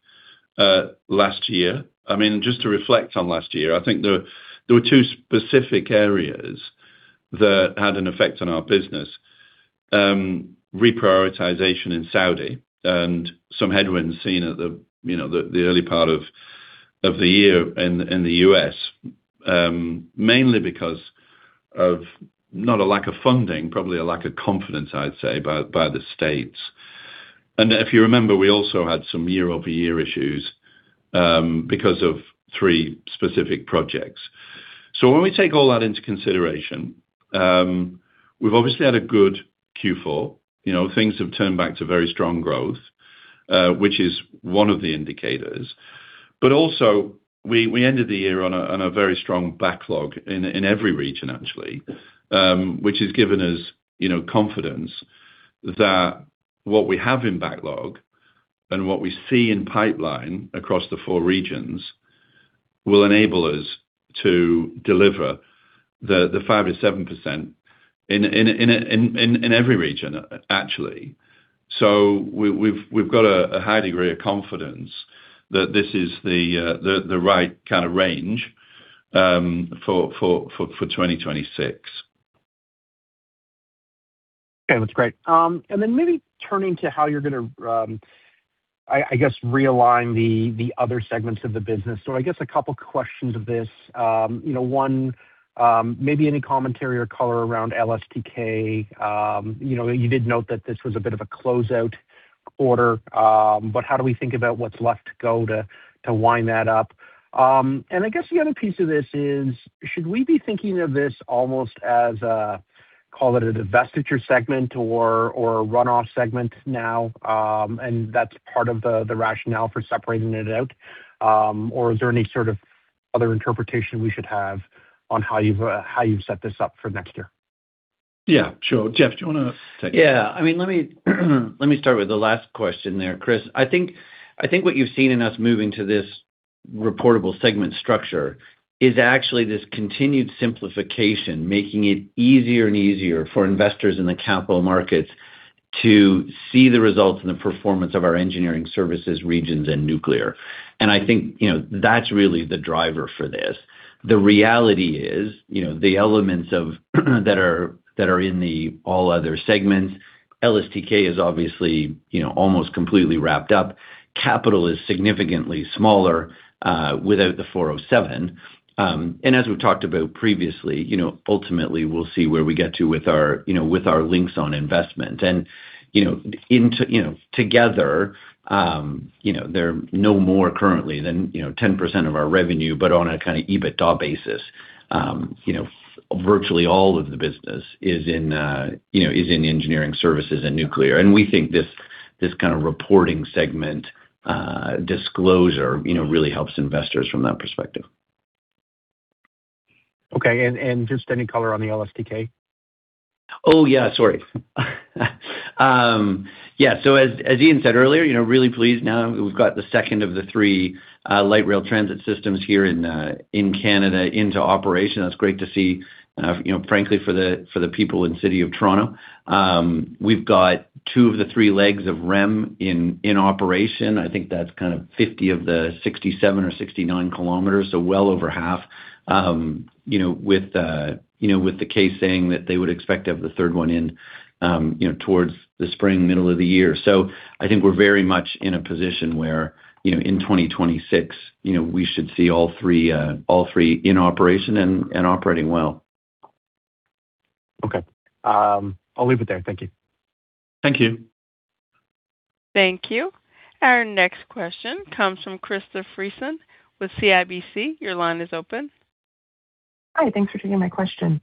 last year. I mean, just to reflect on last year, I think there were two specific areas that had an effect on our business. Reprioritization in Saudi and some headwinds seen at the, you know, the early part of the year in the U.S. Mainly because of not a lack of funding, probably a lack of confidence, I'd say, by the states. If you remember, we also had some year-over-year issues because of three specific projects. When we take all that into consideration, we've obviously had a good Q4. You know, things have turned back to very strong growth, which is one of the indicators. Also, we ended the year on a very strong backlog in every region, actually. Which has given us, you know, confidence that what we have in backlog and what we see in pipeline across the four regions, will enable us to deliver the 5%-7% in every region actually. We've got a high degree of confidence that this is the right kind of range for 2026. Okay, that's great. Maybe turning to how you're gonna, I guess, realign the other segments of the business. I guess a couple questions of this. You know, one, maybe any commentary or color around LSTK? You know, you did note that this was a bit of a closeout order, but how do we think about what's left to go to wind that up? I guess the other piece of this is: Should we be thinking of this almost as a, call it a divestiture segment or a runoff segment now, and that's part of the rationale for separating it out? Is there any sort of other interpretation we should have on how you've set this up for next year? Yeah, sure. Jeff, do you wanna take it? Yeah. I mean, let me, let me start with the last question there, Chris. I think what you've seen in us moving to this reportable segment structure is actually this continued simplification, making it easier and easier for investors in the capital markets to see the results and the performance of our engineering services, regions, and nuclear. I think, you know, that's really the driver for this. The reality is, you know, the elements of, that are in the All Other Segments, LSTK is obviously, you know, almost completely wrapped up. Capital is significantly smaller without the 407. As we've talked about previously, you know, ultimately, we'll see where we get to with our, you know, with our Linxon investment. You know, together, you know, they're no more currently than, you know, 10% of our revenue, but on a kind of EBITDA basis, you know, virtually all of the business is in, you know, is in engineering services and nuclear. We think this kind of reporting segment, disclosure, you know, really helps investors from that perspective. Okay, and just any color on the LSTK? Oh, yeah, sorry. Yeah, as Ian said earlier, you know, really pleased now we've got the second of the three light rail transit systems here in Canada into operation. That's great to see, you know, frankly, for the, for the people in the city of Toronto. We've got two of the three legs of REM in operation. I think that's kind of 50 km of the 67 km or 69 km, so well over half. You know, with, you know, with the case saying that they would expect to have the third one in, you know, towards the spring, middle of the year. I think we're very much in a position where, you know, in 2026, you know, we should see all three in operation and operating well. Okay. I'll leave it there. Thank you. Thank you. Thank you. Our next question comes from Krista Friesen with CIBC. Your line is open. Hi, thanks for taking my question.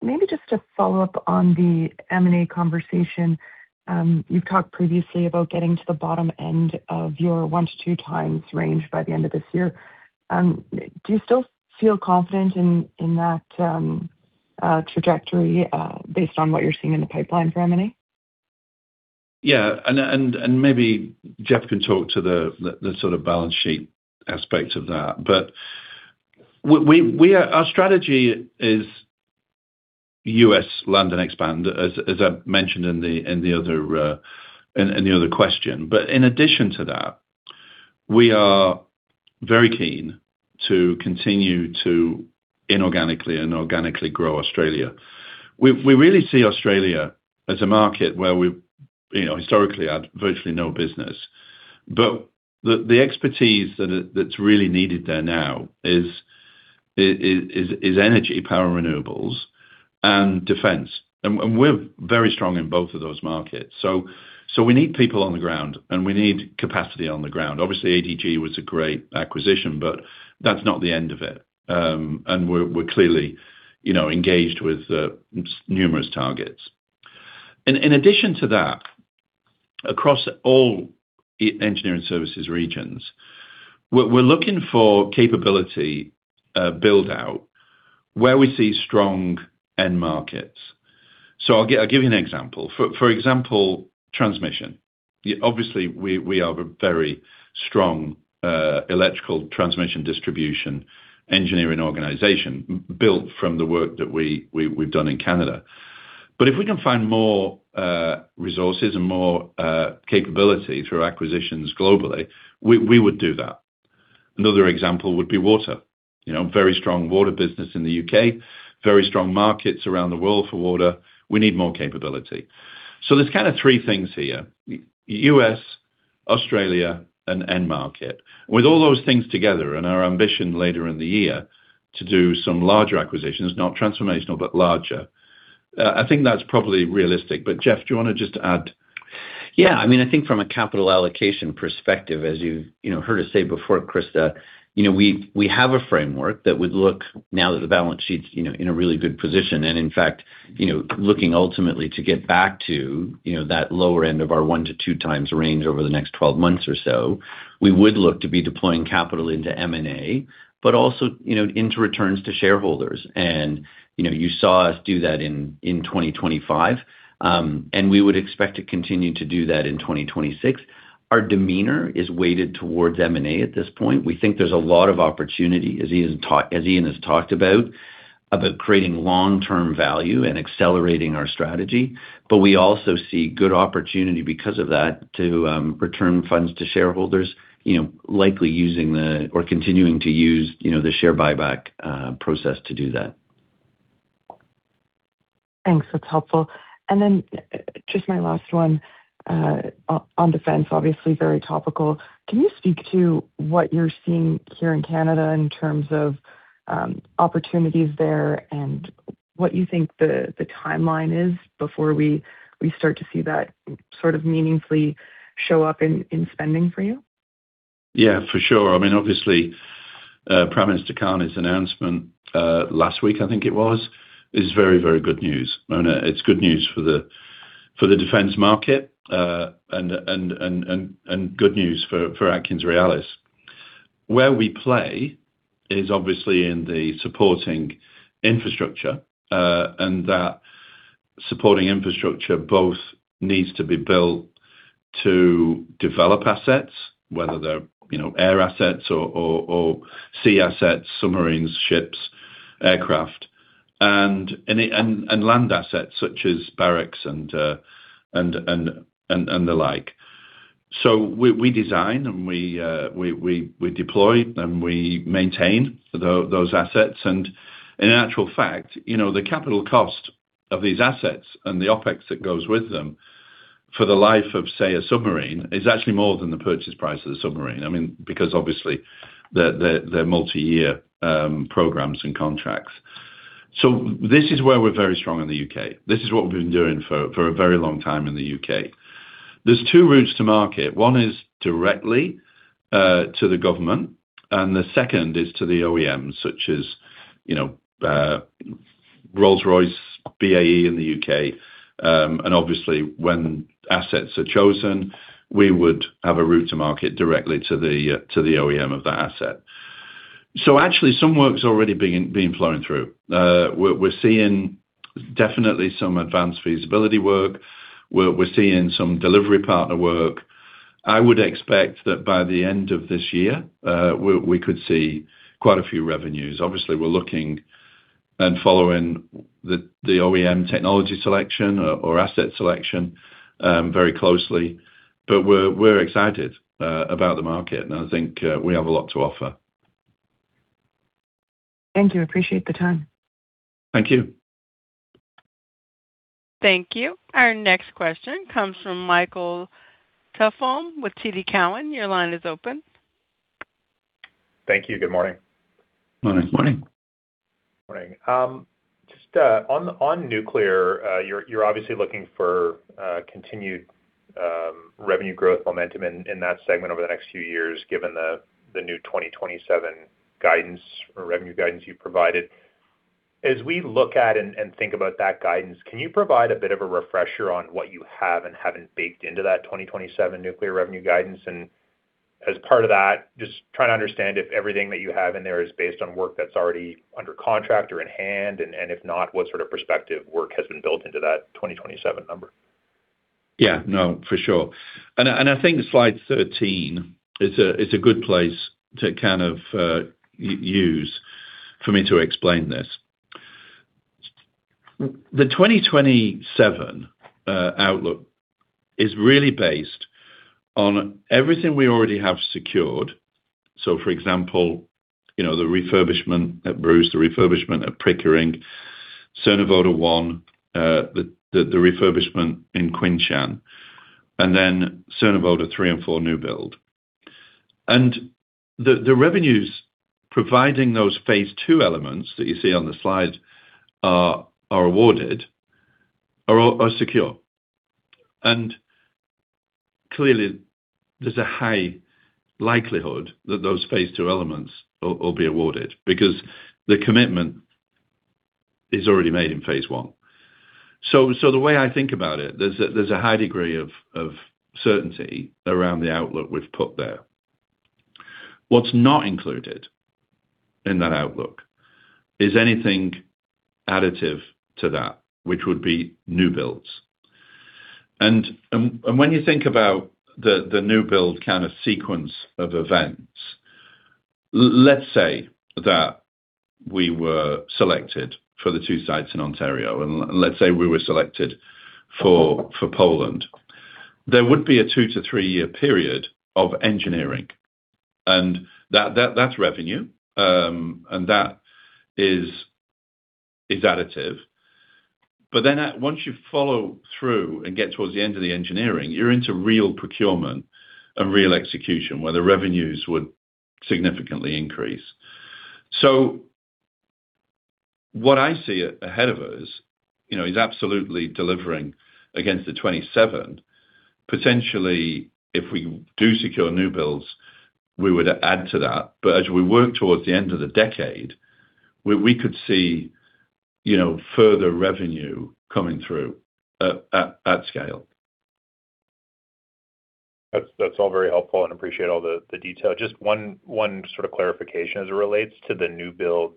Maybe just to follow up on the M&A conversation. You've talked previously about getting to the bottom end of your 1 to 2 times range by the end of this year. Do you still feel confident in that trajectory based on what you're seeing in the pipeline for M&A? Yeah, maybe Jeff can talk to the sort of balance sheet aspect of that. Our strategy is U.S. land and expand, as I mentioned in the other question. In addition to that, we are very keen to continue to inorganically and organically grow Australia. We really see Australia as a market where we, you know, historically had virtually no business, but the expertise that is, that's really needed there now is energy, power, renewables, and defense. We're very strong in both of those markets. We need people on the ground, and we need capacity on the ground. Obviously, ADG was a great acquisition, but that's not the end of it. We're clearly, you know, engaged with numerous targets. In addition to that, across all engineering services regions, we're looking for capability build-out, where we see strong end markets. I'll give you an example. For example, transmission. Obviously, we have a very strong electrical transmission distribution engineering organization built from the work that we've done in Canada. If we can find more resources and more capability through acquisitions globally, we would do that. Another example would be water. You know, very strong water business in the U.K., very strong markets around the world for water. We need more capability. There's kind of three things here: U.S., Australia, and end market. With all those things together and our ambition later in the year to do some larger acquisitions, not transformational, but larger, I think that's probably realistic. Jeff, do you wanna just add? Yeah. I mean, I think from a capital allocation perspective, as you know, heard us say before, Krista, you know, we have a framework that would look, now that the balance sheet's, you know, in a really good position, and in fact, you know, looking ultimately to get back to, you know, that lower end of our 1x-2x range over the next 12 months or so, we would look to be deploying capital into M&A, but also, you know, into returns to shareholders. You know, you saw us do that in 2025, and we would expect to continue to do that in 2026. Our demeanor is weighted towards M&A at this point. We think there's a lot of opportunity, as Ian has talked about, creating long-term value and accelerating our strategy. We also see good opportunity because of that, to return funds to shareholders, you know, likely using the, or continuing to use, you know, the share buyback process to do that. Thanks. That's helpful. Just my last one on defense, obviously very topical. Can you speak to what you're seeing here in Canada in terms of opportunities there, and what you think the timeline is before we start to see that sort of meaningfully show up in spending for you? Yeah, for sure. I mean, obviously, Prime Minister Carney's announcement, last week, I think it was, is very, very good news, Mona. It's good news for the, for the defense market, and good news for AtkinsRéalis. Where we play is obviously in the supporting infrastructure, and that supporting infrastructure both needs to be built to develop assets, whether they're, you know, air assets or, or sea assets, submarines, ships, aircraft, and land assets such as barracks and the like. We design and we deploy, and we maintain those assets. In actual fact, you know, the capital cost of these assets and the OpEx that goes with them, for the life of, say, a submarine, is actually more than the purchase price of the submarine. I mean, because obviously, they're multi-year programs and contracts. This is where we're very strong in the U.K. This is what we've been doing for a very long time in the U.K. There's two routes to market. One is directly to the government, and the second is to the OEMs, such as, you know, Rolls-Royce, BAE in the U.K., and obviously, when assets are chosen, we would have a route to market directly to the OEM of that asset. Actually, some work's already been flowing through. We're seeing definitely some advanced feasibility work. We're seeing some delivery partner work. I would expect that by the end of this year, we could see quite a few revenues. Obviously, we're looking and following the OEM technology selection or asset selection, very closely. We're excited about the market. I think we have a lot to offer. Thank you. Appreciate the time. Thank you. Thank you. Our next question comes from Michael Tupholme with TD Cowen. Your line is open. Thank you. Good morning. Morning. Morning. Morning. Just on nuclear, you're obviously looking for continued revenue growth momentum in that segment over the next few years, given the new 2027 guidance or revenue guidance you provided. As we look at and think about that guidance, can you provide a bit of a refresher on what you have and haven't baked into that 2027 nuclear revenue guidance? As part of that, just trying to understand if everything that you have in there is based on work that's already under contract or in hand, and if not, what sort of prospective work has been built into that 2027 number? Yeah, no, for sure. I think slide 13 is a good place to kind of use for me to explain this. The 2027 outlook is really based on everything we already have secured. For example, you know, the refurbishment at Bruce, the refurbishment at Pickering, Cernavoda 1, the refurbishment in Qinshan, and then Cernavoda 3 and 4 new build. The revenues providing those Phase 2 elements that you see on the slide are awarded, are all secure. Clearly, there's a high likelihood that those Phase 2 elements will be awarded, because the commitment is already made in Phase 1. The way I think about it, there's a high degree of certainty around the outlook we've put there. What's not included in that outlook is anything additive to that, which would be new builds. When you think about the new build kind of sequence of events, let's say that we were selected for the two sites in Ontario, and let's say we were selected for Poland, there would be a two to three-year period of engineering, and that's revenue. That is additive. Once you follow through and get towards the end of the engineering, you're into real procurement and real execution, where the revenues would significantly increase. What I see ahead of us, you know, is absolutely delivering against the 2027. Potentially, if we do secure new builds, we would add to that, but as we work towards the end of the decade, we could see, you know, further revenue coming through at, at scale. That's all very helpful and appreciate all the detail. Just one sort of clarification as it relates to the new build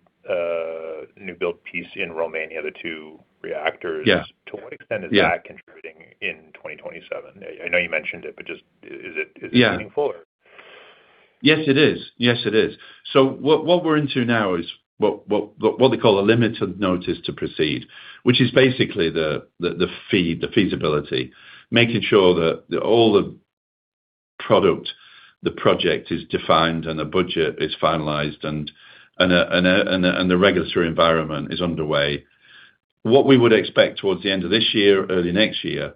piece in Romania, the two reactors. Yeah. To what extent is that- Yeah.... contributing in 2027? I know you mentioned it, but just is it? Yeah... anything full or? Yes, it is. Yes, it is. What we're into now is what they call a limited notice to proceed, which is basically the fee, the feasibility, making sure that all the project is defined and the budget is finalized, and the regulatory environment is underway. What we would expect towards the end of this year, early next year,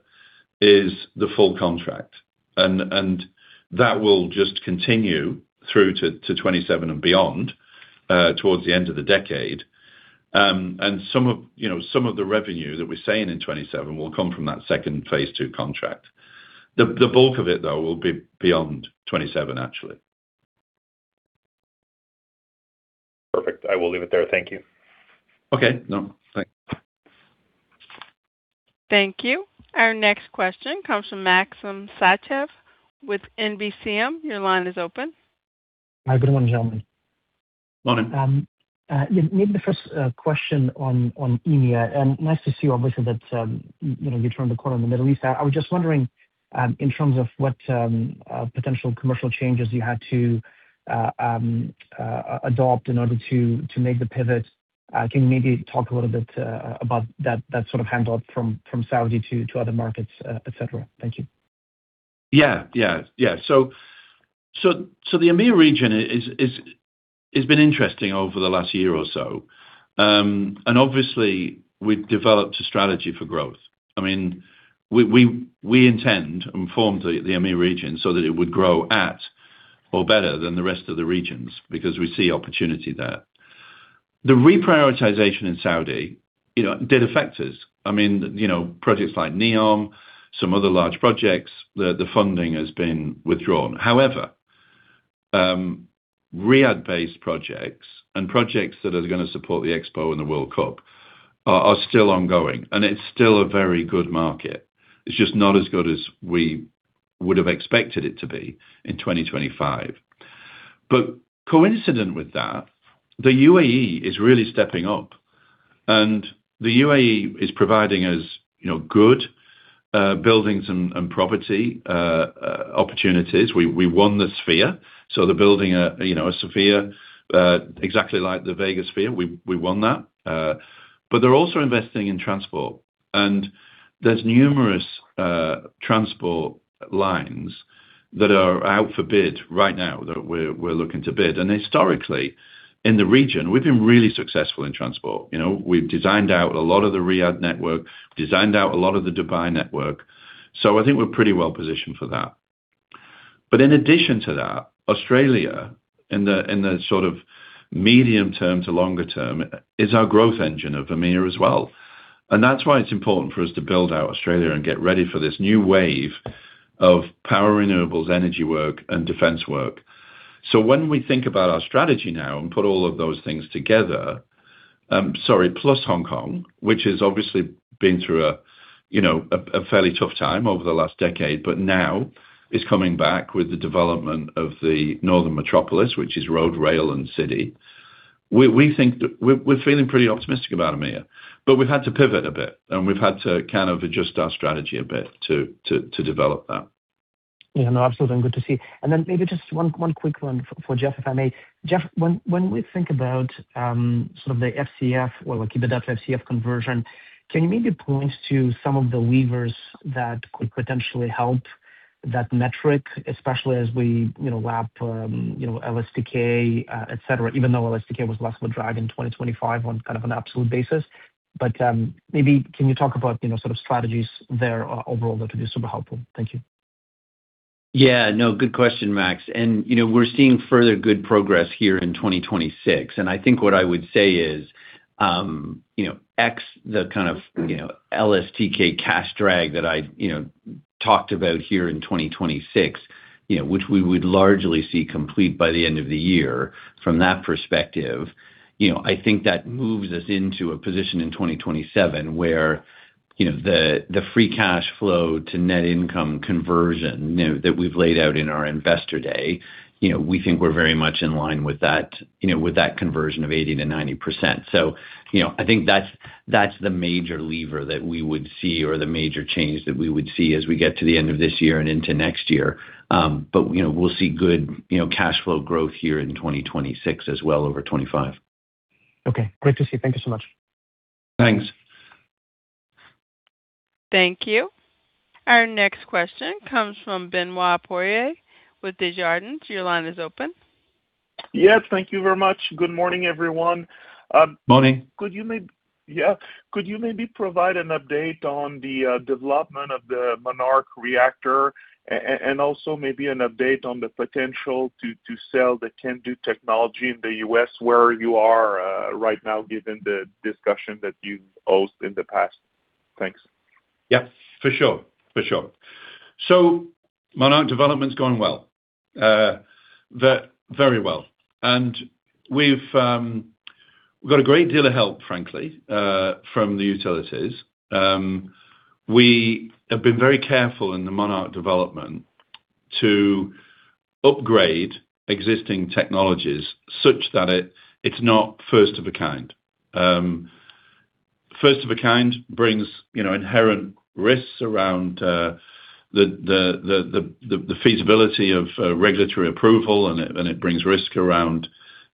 is the full contract. That will just continue through to 2027 and beyond, towards the end of the decade. Some of, you know, some of the revenue that we're seeing in 2027 will come from that second phase 2 contract. The bulk of it, though, will be beyond 2027, actually. Perfect. I will leave it there. Thank you. Okay. No, thanks. Thank you. Our next question comes from Maxim Sytchev with NBCM. Your line is open. Hi, good morning, gentlemen. Morning. Maybe the first question on EMEA. Nice to see you obviously that, you know, you turned the corner in the Middle East. I was just wondering, in terms of what potential commercial changes you had to adopt in order to make the pivot. Can you maybe talk a little bit about that sort of handout from Saudi to other markets, etc.? Thank you. Yeah. The EMEA region is been interesting over the last year or so. Obviously we've developed a strategy for growth. I mean, we intend and formed the EMEA region so that it would grow at or better than the rest of the regions, because we see opportunity there. The reprioritization in Saudi, you know, did affect us. I mean, you know, projects like NEOM, some other large projects, the funding has been withdrawn. However, Riyadh-based projects and projects that are gonna support the Expo and the World Cup are still ongoing, and it's still a very good market. It's just not as good as we would have expected it to be in 2025. Coincident with that, the U.A.E. is really stepping up, and the U.A.E. is providing us, you know, good buildings and property opportunities. We won the Sphere, so they're building a, you know, a Sphere exactly like the Vegas Sphere. We won that. They're also investing in transport, and there's numerous transport lines that are out for bid right now, that we're looking to bid. Historically, in the region, we've been really successful in transport. You know, we've designed out a lot of the Riyadh network, designed out a lot of the Dubai network, so I think we're pretty well positioned for that. In addition to that, Australia, in the sort of medium term to longer term, is our growth engine of EMEA as well. That's why it's important for us to build out Australia and get ready for this new wave of power, renewables, energy work and defense work. When we think about our strategy now and put all of those things together, sorry, plus Hong Kong, which has obviously been through a, you know, a fairly tough time over the last decade, but now is coming back with the development of the northern metropolis, which is road, rail, and city. We think that we're feeling pretty optimistic about EMEA, but we've had to pivot a bit, and we've had to kind of adjust our strategy a bit to develop that. Yeah, no, absolutely, good to see. Maybe just one quick one for Jeff, if I may. Jeff, when we think about sort of the FCF, well, we'll keep it up to FCF conversion, can you maybe point to some of the levers that could potentially help that metric, especially as we, you know, wrap, you know, LSTK, et cetera, even though LSTK was less of a drive in 2025 on kind of an absolute basis. Maybe can you talk about, you know, sort of strategies there overall, that would be super helpful? Thank you. Yeah, no, good question, Max. You know, we're seeing further good progress here in 2026, and I think what I would say is, you know, x, the kind of, you know, LSTK cash drag that I, you know, talked about here in 2026, you know, which we would largely see complete by the end of the year. From that perspective, you know, I think that moves us into a position in 2027, where, you know, the free cash flow to net income conversion, you know, that we've laid out in our investor day, you know, we think we're very much in line with that, you know, with that conversion of 80%-90%. You know, I think that's the major lever that we would see or the major change that we would see as we get to the end of this year and into next year. You know, we'll see good, you know, cash flow growth here in 2026 as well over 2025. Great to see. Thank you so much. Thanks. Thank you. Our next question comes from Benoit Poirier with Desjardins. Your line is open. Yes, thank you very much. Good morning, everyone. Morning. Yeah. Could you maybe provide an update on the development of the MONARK reactor and also maybe an update on the potential to sell the CANDU technology in the U.S., where you are right now, given the discussion that you've hosted in the past? Thanks. Yeah, for sure. MONARK development's going well. very well, and we've got a great deal of help, frankly, from the utilities. We have been very careful in the MONARK development to upgrade existing technologies such that it's not first of a kind. First of a kind brings, you know, inherent risks around the feasibility of regulatory approval, and it brings risk around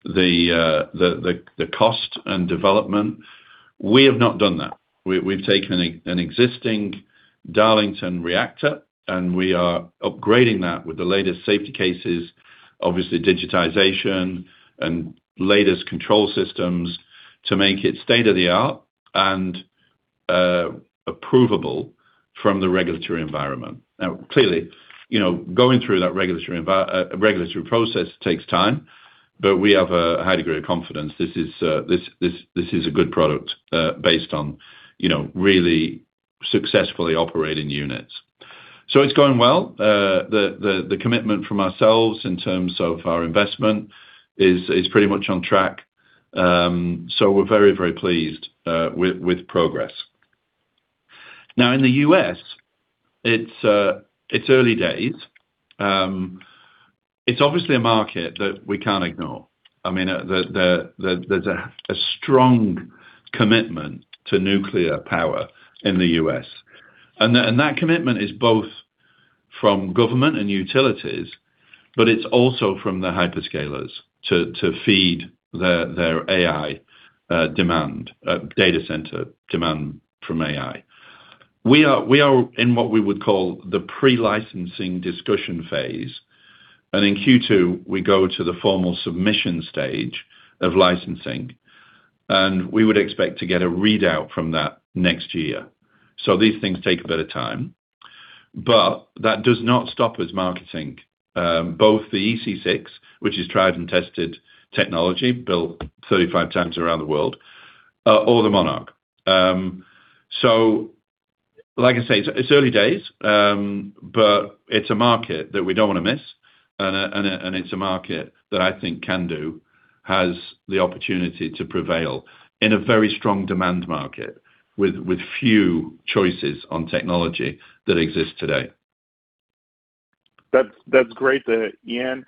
the cost and development. We have not done that. We've taken an existing Darlington reactor, and we are upgrading that with the latest safety cases, obviously digitization and latest control systems, to make it state-of-the-art and approvable from the regulatory environment. Clearly, you know, going through that regulatory process takes time, but we have a high degree of confidence. This is, this is a good product, based on, you know, really successfully operating units. It's going well. The commitment from ourselves in terms of our investment is pretty much on track. So we're very, very pleased, with progress. In the U.S., it's early days. It's obviously a market that we can't ignore. I mean, there's a strong commitment to nuclear power in the U.S., and that, and that commitment is both from government and utilities, but it's also from the hyperscalers to feed their AI demand, data center demand from AI. We are in what we would call the pre-licensing discussion phase. In Q2, we go to the formal submission stage of licensing, and we would expect to get a readout from that next year. These things take a bit of time, but that does not stop us marketing both the EC6, which is tried and tested technology, built 35x around the world, or the MONARK. Like I say, it's early days. It's a market that we don't want to miss. It's a market that I think CANDU has the opportunity to prevail in a very strong demand market with few choices on technology that exist today. That's, that's great, Ian.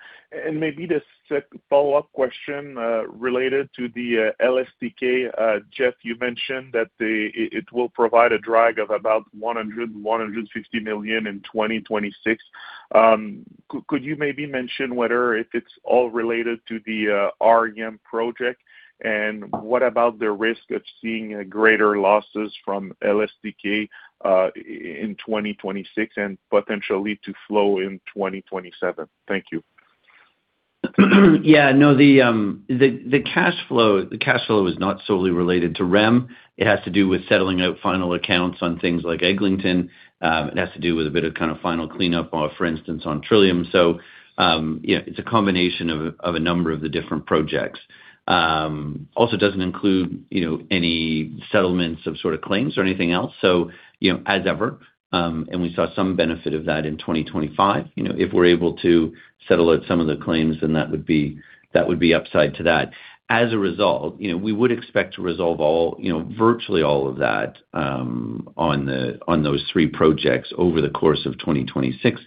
Maybe just a follow-up question related to the LSTK. Jeff, you mentioned that it will provide a drag of about 100 million-150 million in 2026. Could you maybe mention whether if it's all related to the REM project, and what about the risk of seeing greater losses from LSTK, in 2026 and potentially to flow in 2027? Thank you. Yeah, no, the cash flow is not solely related to REM. It has to do with settling out final accounts on things like Eglinton. It has to do with a bit of kind of final cleanup, for instance, on Trillium. Yeah, it's a combination of a number of the different projects. Also doesn't include, you know, any settlements of sort of claims or anything else. You know, as ever, and we saw some benefit of that in 2025, you know, if we're able to settle out some of the claims, then that would be, that would be upside to that. As a result, you know, we would expect to resolve all, you know, virtually all of that on those three projects over the course of 2026.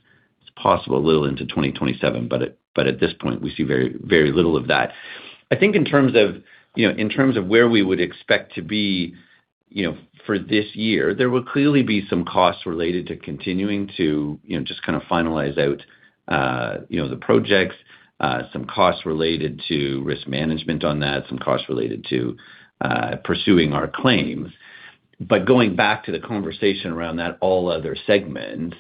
Possible a little into 2027, at this point, we see very little of that. I think in terms of where we would expect to be for this year, there will clearly be some costs related to continuing to, you know, just kind of finalize out the projects, some costs related to risk management on that, some costs related to pursuing our claims. Going back to the conversation around that, All Other Segments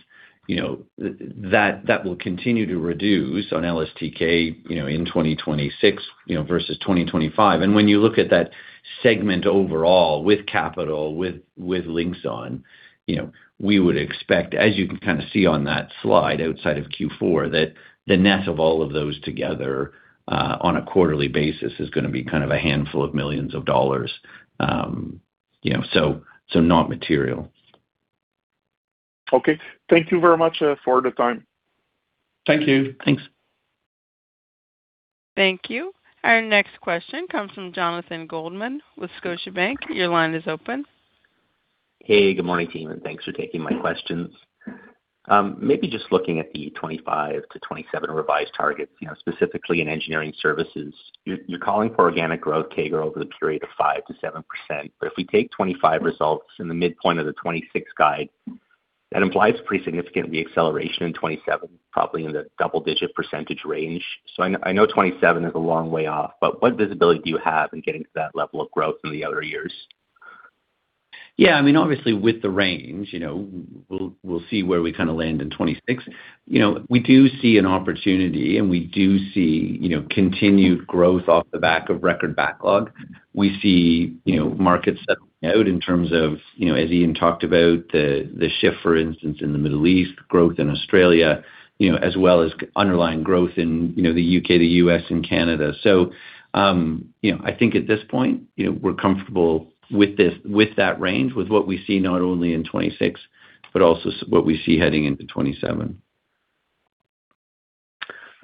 that will continue to reduce on LSTK in 2026 versus 2025. When you look at that segment overall with capital, with Linxon, you know, we would expect, as you can kind of see on that slide outside of Q4, that the net of all of those together on a quarterly basis is gonna be kind of a handful of millions of dollars, you know, so not material. Okay. Thank you very much for the time. Thank you. Thanks. Thank you. Our next question comes from Jonathan Goldman with Scotiabank. Your line is open. Hey, good morning, team. Thanks for taking my questions. Maybe just looking at the 2025-2027 revised targets, you know, specifically in engineering services, you're calling for organic growth CAGR over the period of 5%-7%. If we take 2025 results in the midpoint of the 2026 guide, that implies pretty significant re-acceleration in 2027, probably in the double-digit percentage range. I know 2027 is a long way off, but what visibility do you have in getting to that level of growth in the outer years? Yeah, I mean, obviously with the range, you know, we'll see where we kind of land in 2026. You know, we do see an opportunity, and we do see, you know, continued growth off the back of record backlog. We see, you know, markets settling out in terms of, you know, as Ian talked about, the shift, for instance, in the Middle East, growth in Australia, you know, as well as underlying growth in, you know, the U.K., the U.S., and Canada. You know, I think at this point, you know, we're comfortable with that range, with what we see not only in 2026, but also what we see heading into 2027.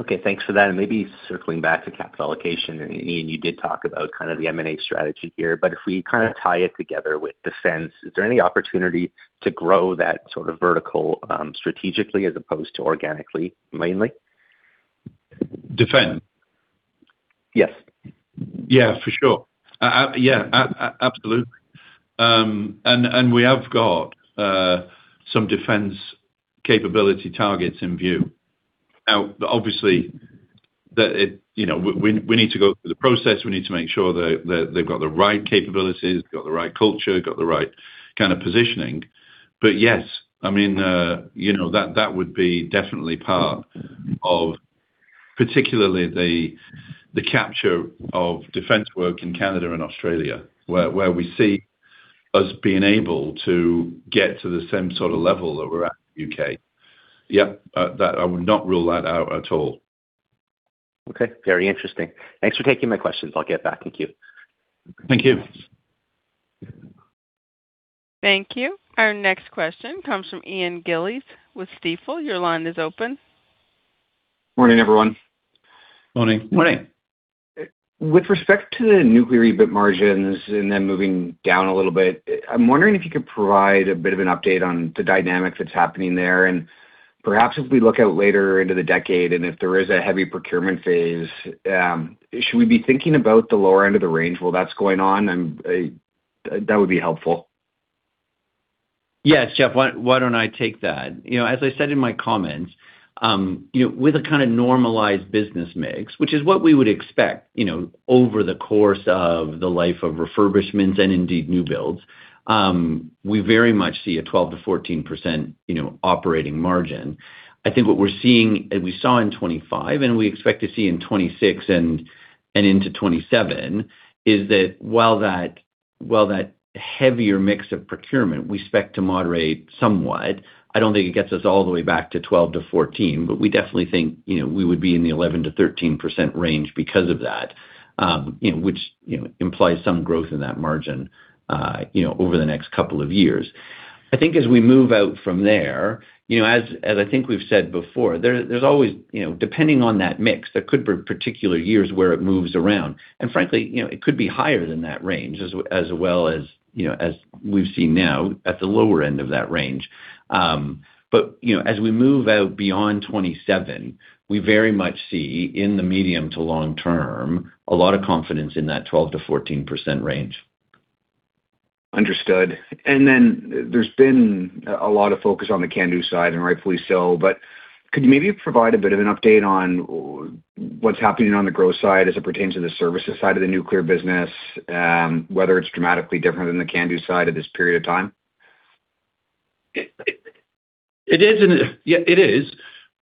Okay, thanks for that. Maybe circling back to capital allocation, and Ian, you did talk about kind of the M&A strategy here, but if we kind of tie it together with defense, is there any opportunity to grow that sort of vertical, strategically as opposed to organically, mainly? Defense? Yes. Yeah, for sure. Yeah, absolutely. We have got some defense capability targets in view. Now, obviously, you know, we need to go through the process. We need to make sure that they've got the right capabilities, got the right culture, got the right kind of positioning. Yes, I mean, you know, that would be definitely part of particularly the capture of defense work in Canada and Australia, where we see us being able to get to the same sort of level that we're at in the U.K. Yep, that I would not rule that out at all. Okay. Very interesting. Thanks for taking my questions. I'll get back. Thank you. Thank you. Thank you. Our next question comes from Ian Gillies with Stifel. Your line is open. Morning, everyone. Morning. Morning. With respect to the nuclear EBIT margins and then moving down a little bit, I'm wondering if you could provide a bit of an update on the dynamics that's happening there. Perhaps if we look out later into the decade, and if there is a heavy procurement phase, should we be thinking about the lower end of the range while that's going on? That would be helpful. Yes, Jeff, why don't I take that? You know, as I said in my comments, you know, with a kind of normalized business mix, which is what we would expect, you know, over the course of the life of refurbishments and indeed new builds, we very much see a 12%-14%, you know, operating margin. I think what we're seeing, and we saw in 2025, and we expect to see in 2026 and into 2027, is that while that heavier mix of procurement, we expect to moderate somewhat, I don't think it gets us all the way back to 12%-14%, but we definitely think, you know, we would be in the 11%-13% range because of that. You know, which, you know, implies some growth in that margin, you know, over the next couple of years. I think as we move out from there, you know, as I think we've said before, there's always, you know, depending on that mix, there could be particular years where it moves around, and frankly, you know, it could be higher than that range as well as, you know, as we've seen now at the lower end of that range. You know, as we move out beyond 2027, we very much see, in the medium to long term, a lot of confidence in that 12%-14% range. Understood. Then there's been a lot of focus on the CANDU side, and rightfully so, but could you maybe provide a bit of an update on what's happening on the growth side as it pertains to the services side of the nuclear business, whether it's dramatically different than the CANDU side at this period of time? It is and. Yeah, it is,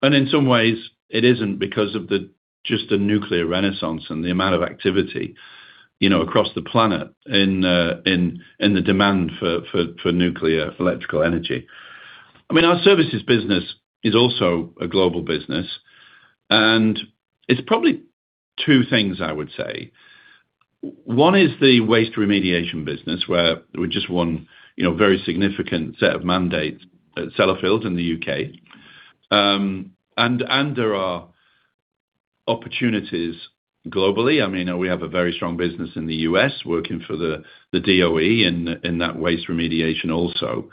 and in some ways, it isn't because of the, just the nuclear renaissance and the amount of activity, you know, across the planet in the demand for nuclear, for electrical energy. I mean, our services business is also a global business, and it's probably two things I would say. One is the waste remediation business, where we just won, you know, a very significant set of mandates at Sellafield in the U.K. And there are opportunities globally. I mean, we have a very strong business in the U.S., working for the DoE in that waste remediation also.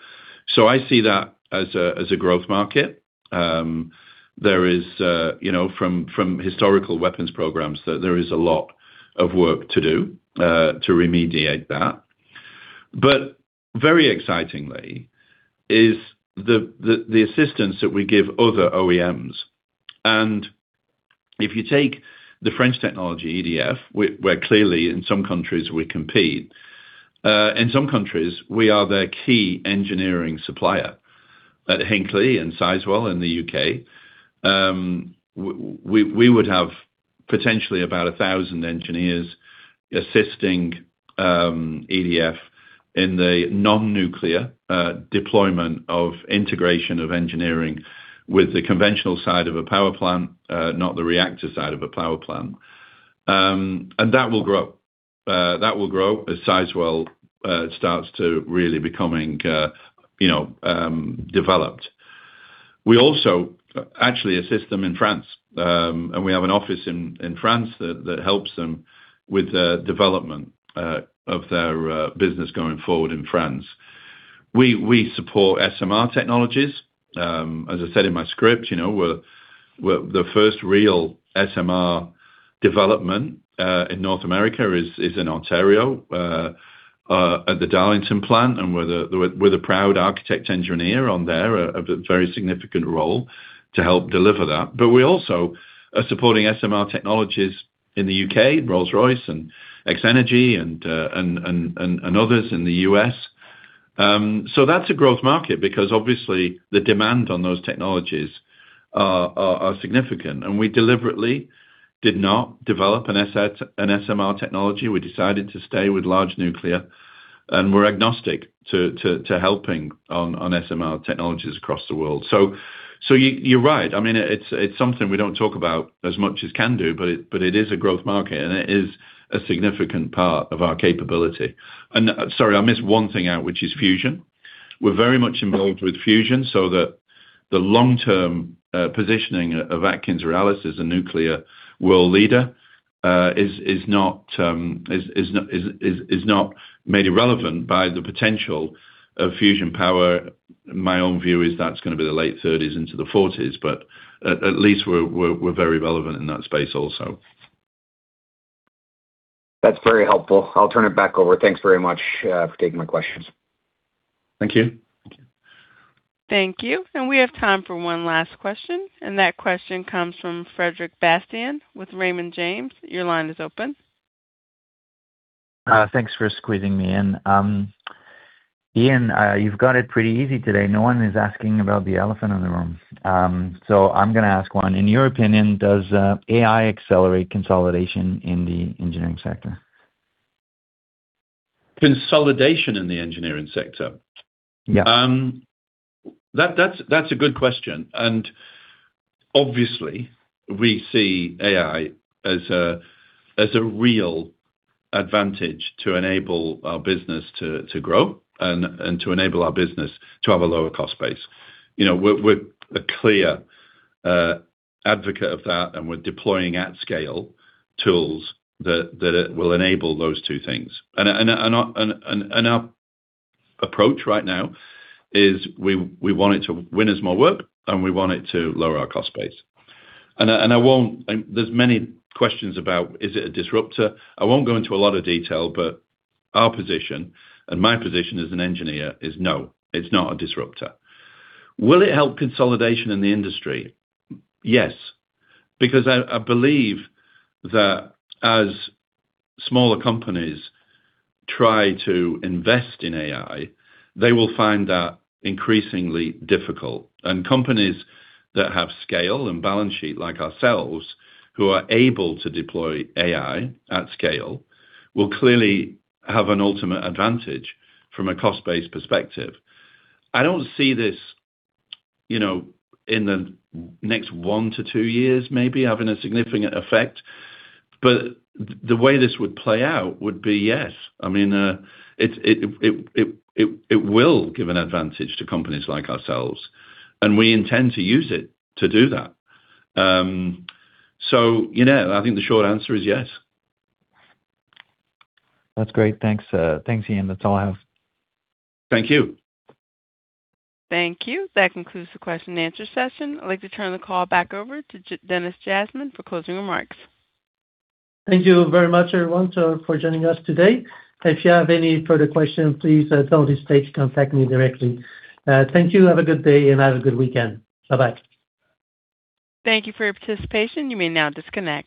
I see that as a growth market. There is, you know, from historical weapons programs, there is a lot of work to do to remediate that. Very excitingly, is the assistance that we give other OEMs. If you take the French technology, EDF, where clearly in some countries we compete, in some countries, we are their key engineering supplier. At Hinkley and Sizewell in the U.K., we would have potentially about 1,000 engineers assisting EDF in the non-nuclear deployment of integration of engineering with the conventional side of a power plant, not the reactor side of a power plant. That will grow. That will grow as Sizewell starts to really becoming, you know, developed. We also actually assist them in France, and we have an office in France that helps them with the development of their business going forward in France. We support SMR technologies. As I said in my script, the first real SMR development in North America is in Ontario at the Darlington plant, and we're the proud architect-engineer on there, of a very significant role to help deliver that. We also are supporting SMR technologies in the U.K., Rolls-Royce and X-energy and others in the U.S. That's a growth market because obviously the demand on those technologies are significant. We deliberately did not develop an SMR technology. We decided to stay with large nuclear, and we're agnostic to helping on SMR technologies across the world. You're right. I mean, it's something we don't talk about as much as CANDU, but it is a growth market, and it is a significant part of our capability. Sorry, I missed one thing out, which is fusion. We're very much involved with fusion, the long-term positioning of AtkinsRéalis as a nuclear world leader is not made irrelevant by the potential of fusion power. My own view is that's gonna be the late thirties into the forties, but at least we're very relevant in that space also. That's very helpful. I'll turn it back over. Thanks very much for taking my questions. Thank you. Thank you. We have time for one last question, and that question comes from Frederic Bastien with Raymond James. Your line is open. Thanks for squeezing me in. Ian, you've got it pretty easy today. No one is asking about the elephant in the room. I'm gonna ask one: In your opinion, does AI accelerate consolidation in the engineering sector? Consolidation in the engineering sector? Yeah. That's a good question, obviously, we see AI as a real advantage to enable our business to grow and to enable our business to have a lower cost base. You know, we're a clear advocate of that, and we're deploying at scale, tools that it will enable those two things. Our approach right now is we want it to win us more work, and we want it to lower our cost base. There's many questions about, is it a disruptor? I won't go into a lot of detail, but our position and my position as an engineer is no, it's not a disruptor. Will it help consolidation in the industry? Yes, because I believe that as smaller companies try to invest in AI, they will find that increasingly difficult. Companies that have scale and balance sheet like ourselves, who are able to deploy AI at scale, will clearly have an ultimate advantage from a cost base perspective. I don't see this, you know, in the next one to two years, maybe, having a significant effect, but the way this would play out would be yes. I mean, it's, it will give an advantage to companies like ourselves, and we intend to use it to do that. You know, I think the short answer is yes. That's great. Thanks, thanks, Ian. That's all I have. Thank you. Thank you. That concludes the question-and-answer session. I'd like to turn the call back over to Denis Jasmin for closing remarks. Thank you very much, everyone, for joining us today. If you have any further questions, please don't hesitate to contact me directly. Thank you. Have a good day, have a good weekend. Bye-bye. Thank you for your participation. You may now disconnect.